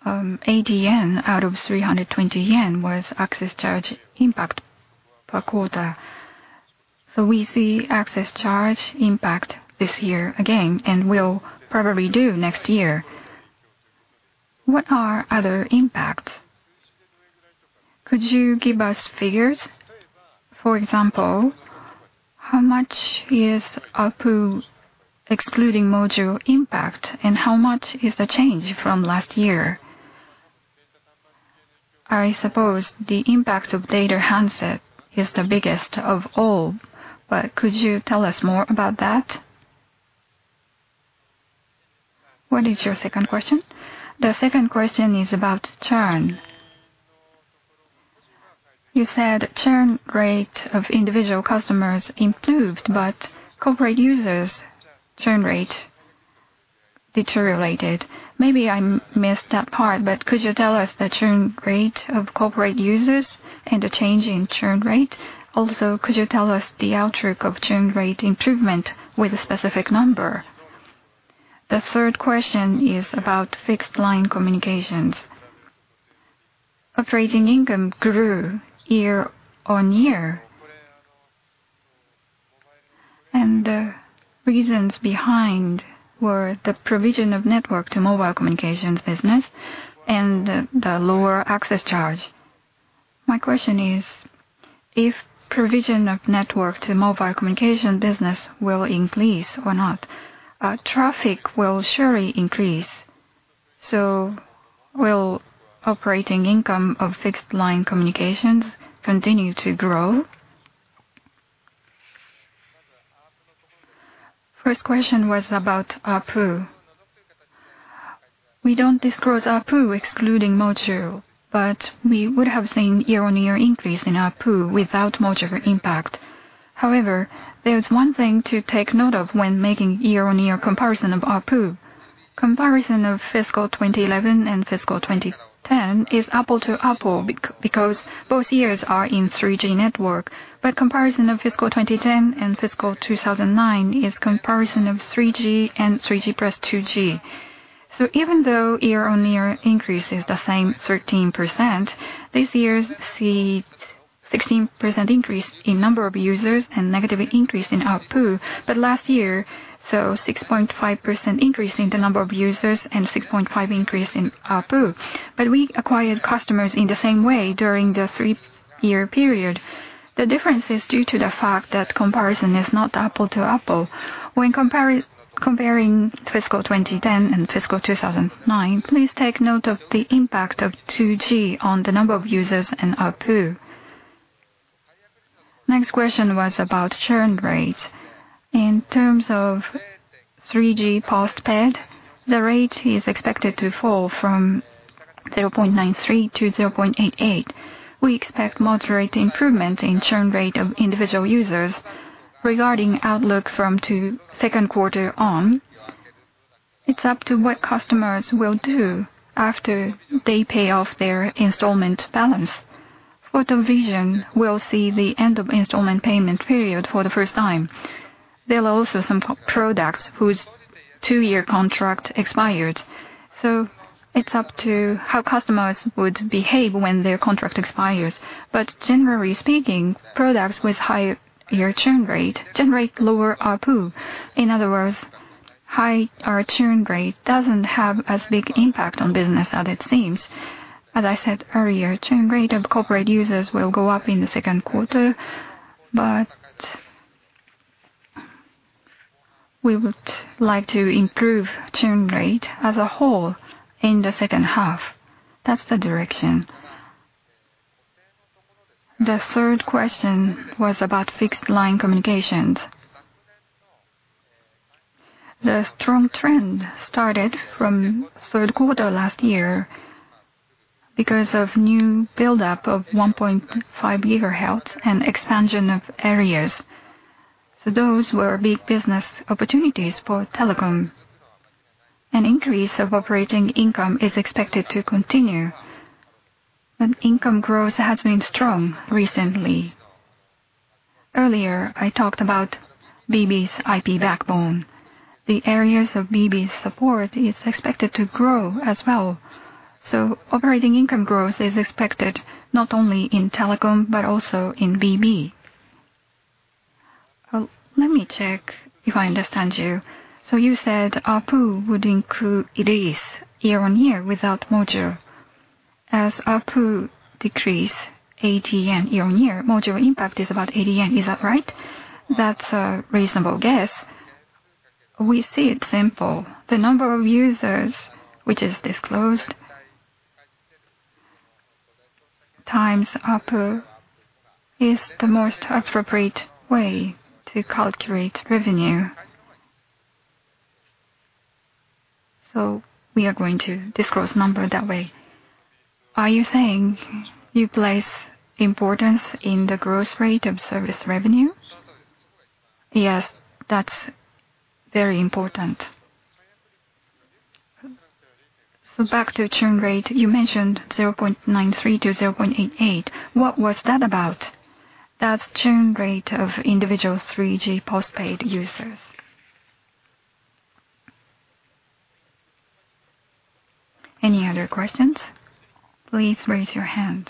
JPY 80 out of 320 yen was access charge impact per quarter. We see access charge impact this year again and will probably do next year. What are other impacts? Could you give us figures? For example, how much is a pool excluding module impact, and how much is the change from last year? I suppose the impact of data handset is the biggest of all, but could you tell us more about that? What is your second question? The second question is about churn. You said the churn rate of individual customers improved, but corporate users' churn rate deteriorated. Maybe I missed that part, but could you tell us the churn rate of corporate users and the change in churn rate? Also, could you tell us the outlook of churn rate improvement with a specific number? The third question is about fixed-line communications. Operating income grew year-on-year, and the reasons behind were the provision of network to mobile communications business and the lower access charge. My question is, if the provision of network to mobile communications business will increase or not, traffic will surely increase. Will the operating income of fixed-line communications continue to grow? First question was about ARPU. We don't disclose ARPU excluding module, but we would have seen a year-on-year increase in ARPU without module impact. However, there's one thing to take note of when making a year-on-year comparison of ARPU. Comparison of fiscal 2011 and fiscal 2010 is apple to apple because both years are in 3G network, but comparison of fiscal 2010 and fiscal 2009 is a comparison of 3G and 3G+, 2G. Even though the year-on-year increase is the same 13%, this year we see a 16% increase in the number of users and a negative increase in ARPU, but last year saw a 6.5% increase in the number of users and a 6.5% increase in ARPU. We acquired customers in the same way during the three-year period. The difference is due to the fact that the comparison is not apple to apple. When comparing fiscal 2010 and fiscal 2009, please take note of the impact of 2G on the number of users ARPU. The next question was about churn rate. In terms of 3G postpaid, the rate is expected to fall from 0.93% to 0.88%. We expect moderate improvement in the churn rate of individual users. Regarding the outlook from the second quarter on, it's up to what customers will do after they pay off their installment balance. PhotoVision will see the end of the installment payment period for the first time. There are also some products whose two-year contract expired, so it's up to how customers would behave when their contract expires. Generally speaking, products with a higher churn rate generate a lower pool. In other words, a higher churn rate doesn't have as big an impact on business as it seems. As I said earlier, the churn rate of corporate users will go up in the second quarter, but we would like to improve the churn rate as a whole in the second half. That's the direction. The third question was about fixed-line communications. The strong trend started from the third quarter last year because of the new buildup of 1.5 GHz and the expansion of areas. Those were big business opportunities for Telecom. An increase of operating income is expected to continue, but income growth has been strong recently. Earlier, I talked about BB's IP backbone. The areas of BB's support are expected to grow as well. Operating income growth is expected not only in Telecom but also in BB. Let me check if I understand you. You said ARPU would increase year-on-year without module. As ARPU decreases 80 yen year-on-year, module impact is about 80 yen. Is that right? That's a reasonable guess. We see it simple. The number of users which is disclosed x ARPU is the most appropriate way to calculate revenue. We are going to disclose the number that way. Are you saying you place importance in the growth rate of service revenue? Yes, that's very important. Back to the churn rate, you mentioned 0.93% to 0.88%. What was that about? That's the churn rate of individual 3G postpaid users. Any other questions? Please raise your hand.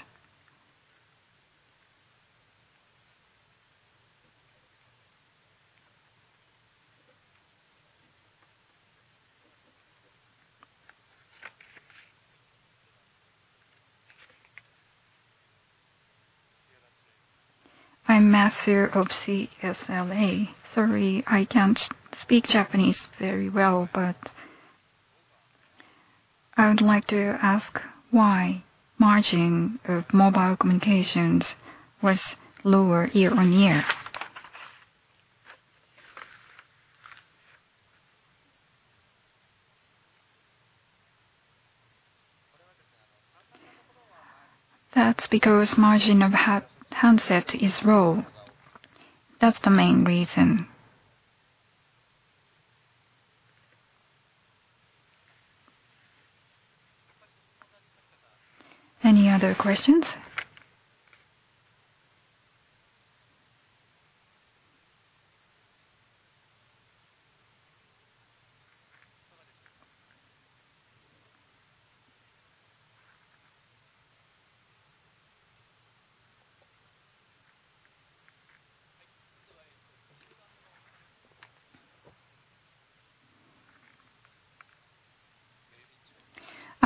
I'm Matthew of CLSA. Sorry, I don't speak Japanese very well, but I would like to ask why the margin of Mobile Communications was lower year-on-year. That's because the margin of handset is low. That's the main reason. Any other questions?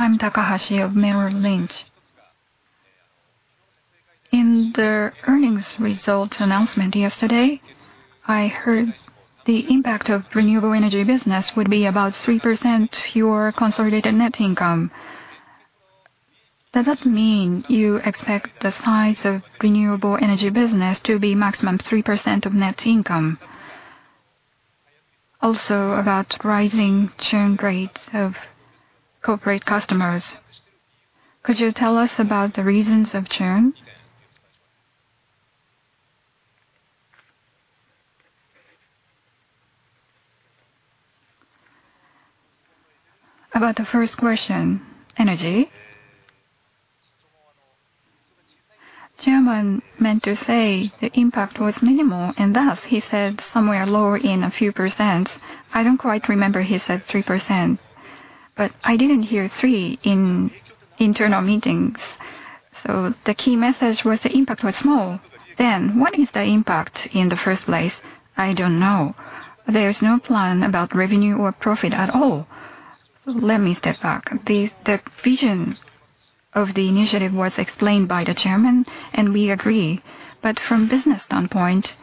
I'm Takahashi of Merrill Lynch. In the earnings results announcement yesterday, I heard the impact of the renewable energy business would be about 3% to your consolidated net income. Does that mean you expect the size of the renewable energy business to be a maximum of 3% of net income? Also, about rising churn rates of corporate customers. Could you tell us about the reasons of churn? About the first question, energy. The gentleman meant to say the impact was minimal, and thus he said somewhere lower in a few percent. I don't quite remember he said 3%, but I didn't hear 3 in internal meetings. The key message was the impact was small. Then what is the impact in the first place? I don't know. There's no plan about revenue or profit at all. Let me step back. The vision of the initiative was explained by the Chairman, and we agree. From a business standpoint,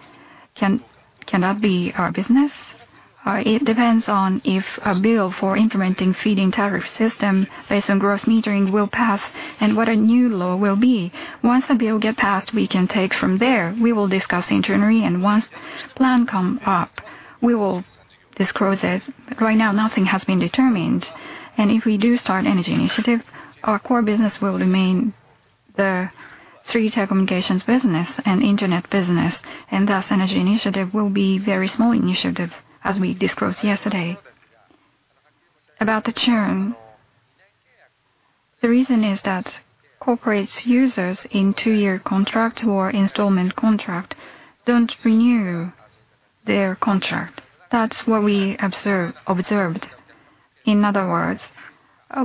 it cannot be our business. It depends on if a bill for implementing the feeding tariff system based on gross metering will pass and what a new law will be. Once a bill gets passed, we can take it from there. We will discuss internally, and once the plan comes up, we will disclose it. Right now, nothing has been determined. If we do start an energy initiative, our core business will remain the 3G telecommunications business and the internet business, and the energy initiative will be a very small initiative as we disclosed yesterday. About the churn, the reason is that corporate users in a two-year contract or installment contract don't renew their contract. That's what we observed. In other words,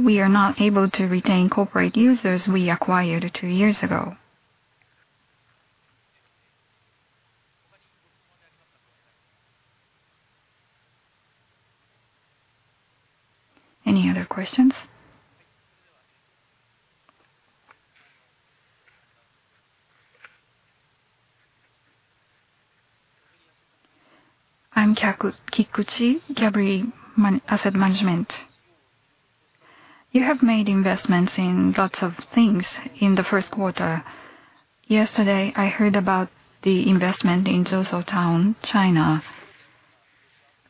we are not able to retain corporate users we acquired two years ago. Any other questions? I'm Kikuchi [Gabri], Nu Asset Management. You have made investments in lots of things in the first quarter. Yesterday, I heard about the investment in Tianzhuo Town, China.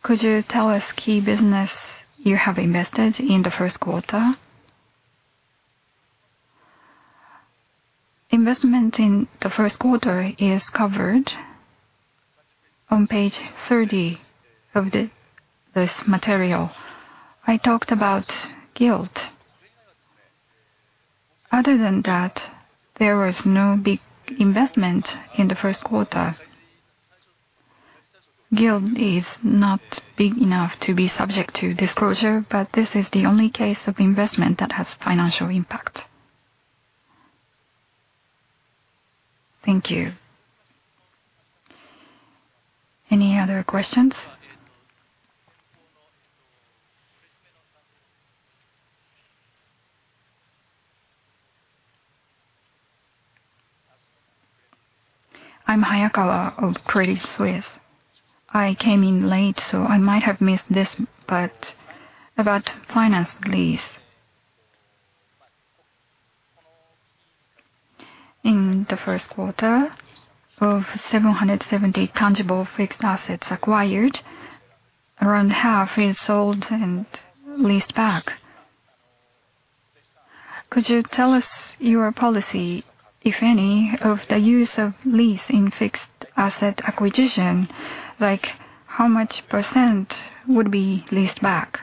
Could you tell us the key business you have invested in the first quarter? Investment in the first quarter is covered on page 30 of this material. I talked about gilt. Other than that, there was no big investment in the first quarter. Gilt is not big enough to be subject to disclosure, but this is the only case of investment that has financial impact. Thank you. Any other questions? I'm Hayakawa, Credit Suisse. I came in late, so I might have missed this, but about finance, please. In the first quarter of 770, tangible fixed assets acquired. Around half is sold and leased back. Could you tell us your policy, if any, of the use of lease in fixed asset acquisition, like how much percent would be. Please back.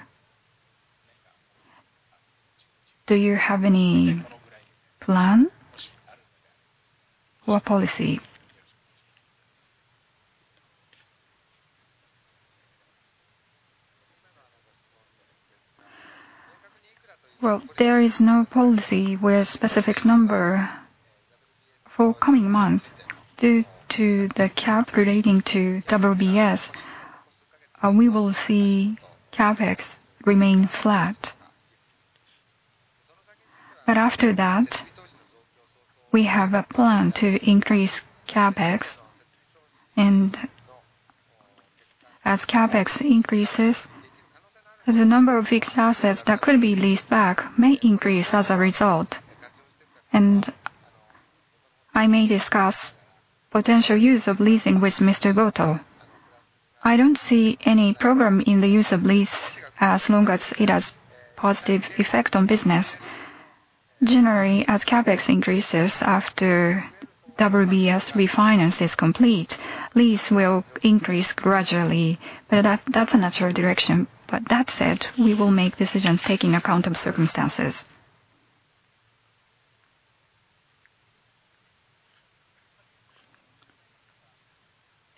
Do you have any plans or policy? There is no policy with a specific number for the coming months due to the cap relating to WBS. We will see CapEx remain flat. After that, we have a plan to increase CapEx. As CapEx increases, the number of fixed assets that could be leased back may increase as a result. I may discuss the potential use of leasing with Mr. Goto. I don't see any problem in the use of lease as long as it has a positive effect on business. Generally, as CapEx increases after WBS refinance is complete, lease will increase gradually. That is a natural direction. That said, we will make decisions taking account of circumstances.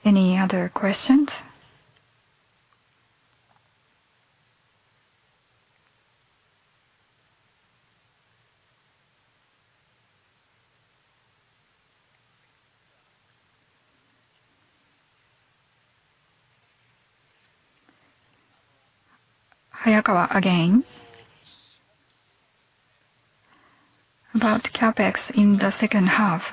Any other questions? Hayakawa again about CapEx in the second half.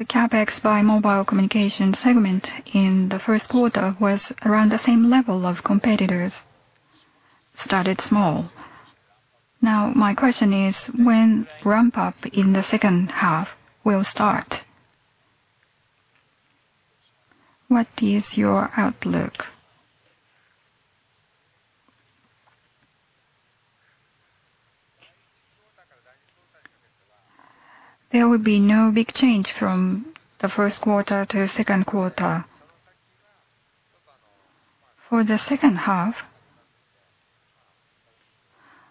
The CapEx by mobile communication segment in the first quarter was around the same level of competitors. Started small. My question is when ramp-up in the second half will start? What is your outlook? There will be no big change from the first quarter to the second quarter. For the second half,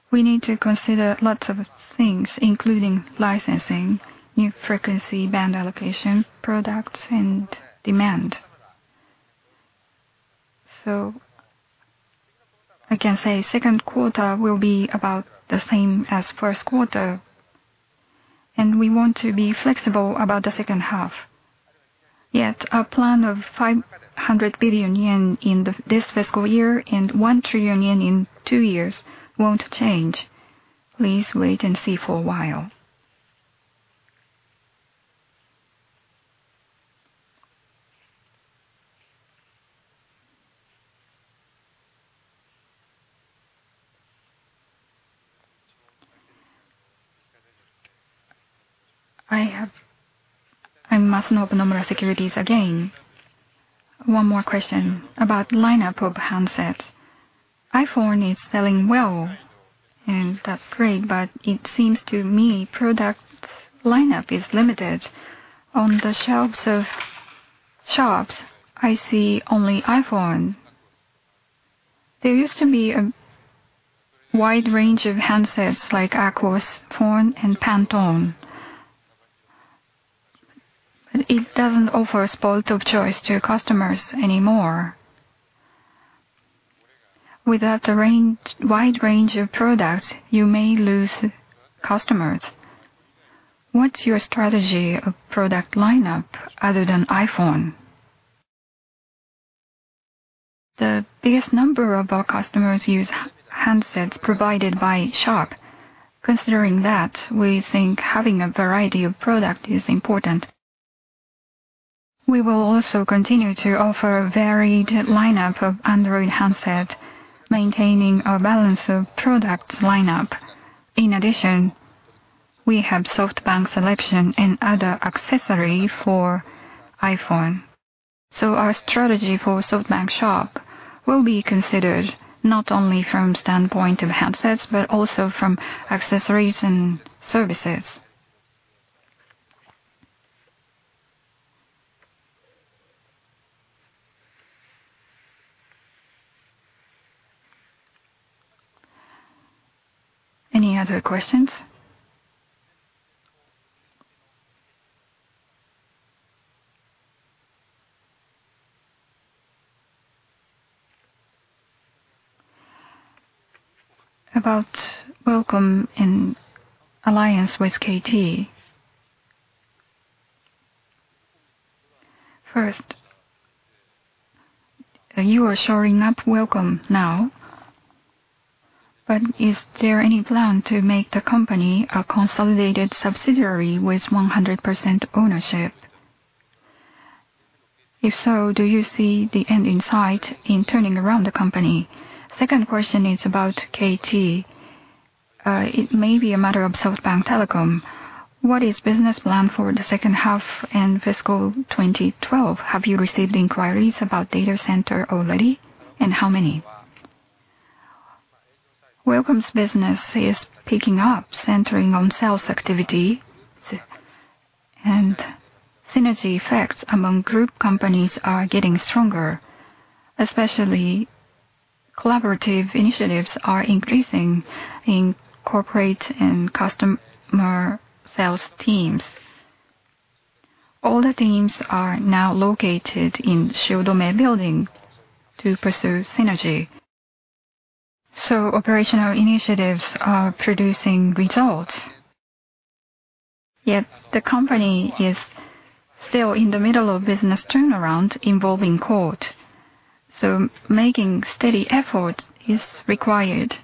we need to consider lots of things, including licensing, new frequency, band allocation, products, and demand. I can say second quarter will be about the same as first quarter. We want to be flexible about the second half. Yet our plan of 500 billion yen in this fiscal year and 1 trillion yen in two years won't change. Please wait and see for a while. I'm Masuno, Nomura Securities again. One more question about the lineup of handsets. iPhone is selling well, and that's great, but it seems to me product lineup is limited. On the shelves of shops, I see only iPhone. There used to be a wide range of handsets like Aquos Phone and Pantone. It doesn't offer a spot of choice to customers anymore. Without the wide range of products, you may lose customers. What's your strategy of product lineup other than iPhone? The biggest number of our customers use handsets provided by shop. Considering that, we think having a variety of products is important. We will also continue to offer a varied lineup of Android handsets, maintaining a balance of product lineup. In addition, we have SoftBank Selection and other accessories for iPhone. Our strategy for SoftBank shop will be considered not only from the standpoint of handsets but also from accessories and services. Any other questions? About WILLCOM in alliance with KT, first, you are shoring up WILLCOM now. Is there any plan to make the company a consolidated subsidiary with 100% ownership? If so, do you see the end in sight in turning around the company? Second question is about KT. It may be a matter of SoftBank Telecom. What is the business plan for the second half and fiscal 2012? Have you received inquiries about AI data centers already and how many? WILLCOM's business is picking up, centering on sales activity, and synergy effects among group companies are getting stronger. Especially, collaborative initiatives are increasing in corporate and customer sales teams. All the teams are now located in Shio Domain Building to preserve synergy. Operational initiatives are producing results. Yet the company is still in the middle of a business turnaround involving court. Making steady effort is required.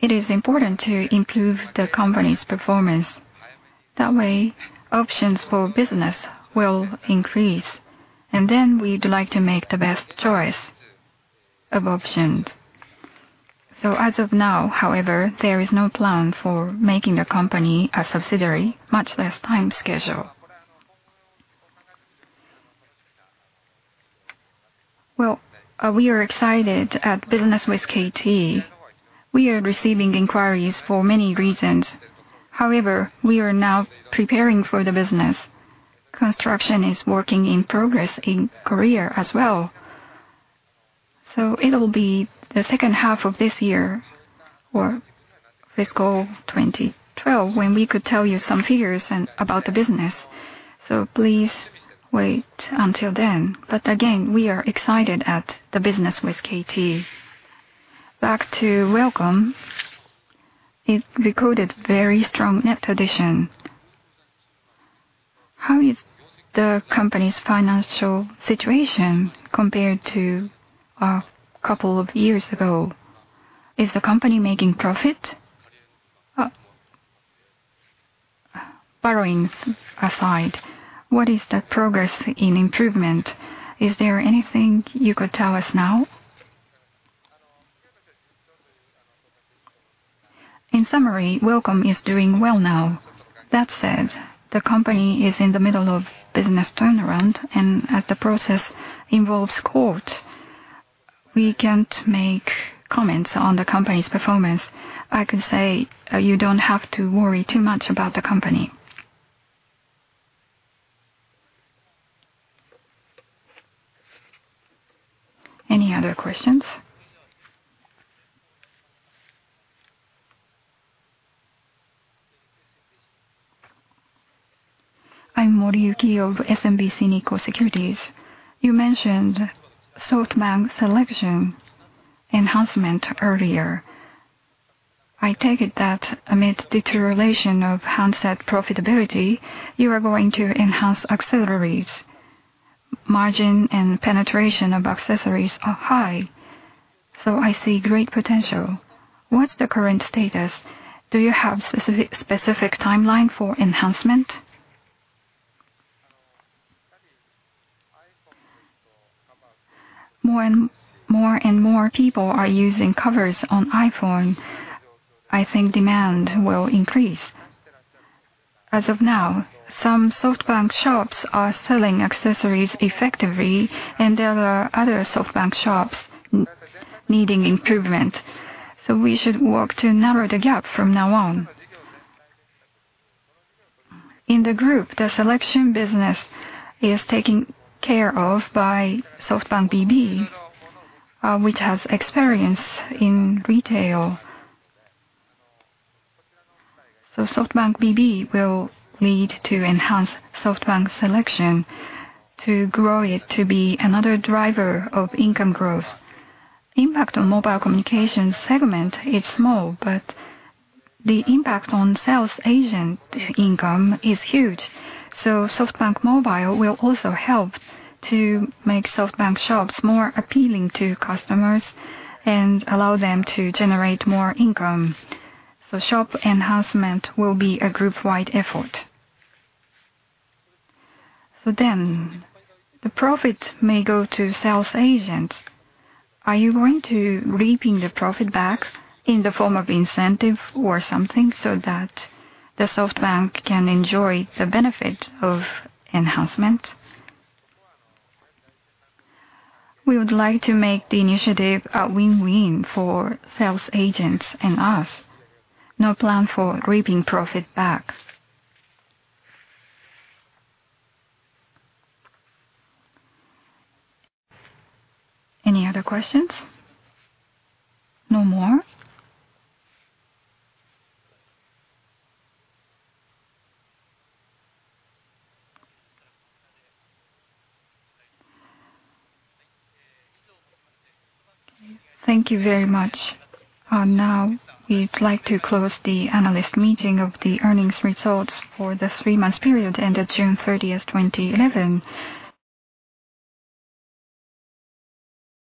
It is important to improve the company's performance. That way, options for business will increase. We would like to make the best choice of options. As of now, however, there is no plan for making the company a subsidiary, much less a time schedule. We are excited at business with KT. We are receiving inquiries for many reasons. We are now preparing for the business. Construction is working in progress in South Korea as well. It will be the second half of this year or fiscal 2012 when we could tell you some figures about the business. Please wait until then. Again, we are excited at the business with KT. Back to WILLCOM, it recorded very strong net addition. How is the company's financial situation compared to a couple of years ago? Is the company making profit? Borrowing aside, what is the progress in improvement? Is there anything you could tell us now? In summary, WILLCOM is doing well now. That said, the company is in the middle of a business turnaround. As the process involves court, we can't make comments on the company's performance. I can say you don't have to worry too much about the company. Any other questions? I'm Moriyuki of SMBC Nikko Securities. You mentioned SoftBank Selection enhancement earlier. I take it that amid the deterioration of handset profitability, you are going to enhance accessories. Margin and penetration of accessories are high. I see great potential. What's the current status? Do you have a specific timeline for enhancement? When more and more people are using covers on iPhone, I think demand will increase. As of now, some SoftBank shops are selling accessories effectively. There are other SoftBank shops needing improvement. We should work to narrow the gap from now on. In the group, the selection business is taken care of by SoftBank BB, which has experience in retail. SoftBank BB will need to enhance SoftBank Selection to grow it to be another driver of income growth. The impact on the mobile communication segment is small, but the impact on sales agent income is huge. SoftBank Mobile will also help to make SoftBank shops more appealing to customers and allow them to generate more income. Shop enhancement will be a group-wide effort. The profit may go to sales agents. Are you going to reap the profit back in the form of incentive or something so that SoftBank can enjoy the benefit of enhancement? We would like to make the initiative a win-win for sales agents and us. No plan for reaping profit back. Any other questions? No more? Thank you very much. Now, we'd like to close the analyst meeting of the earnings results for the three-month period ended June 30, 2011.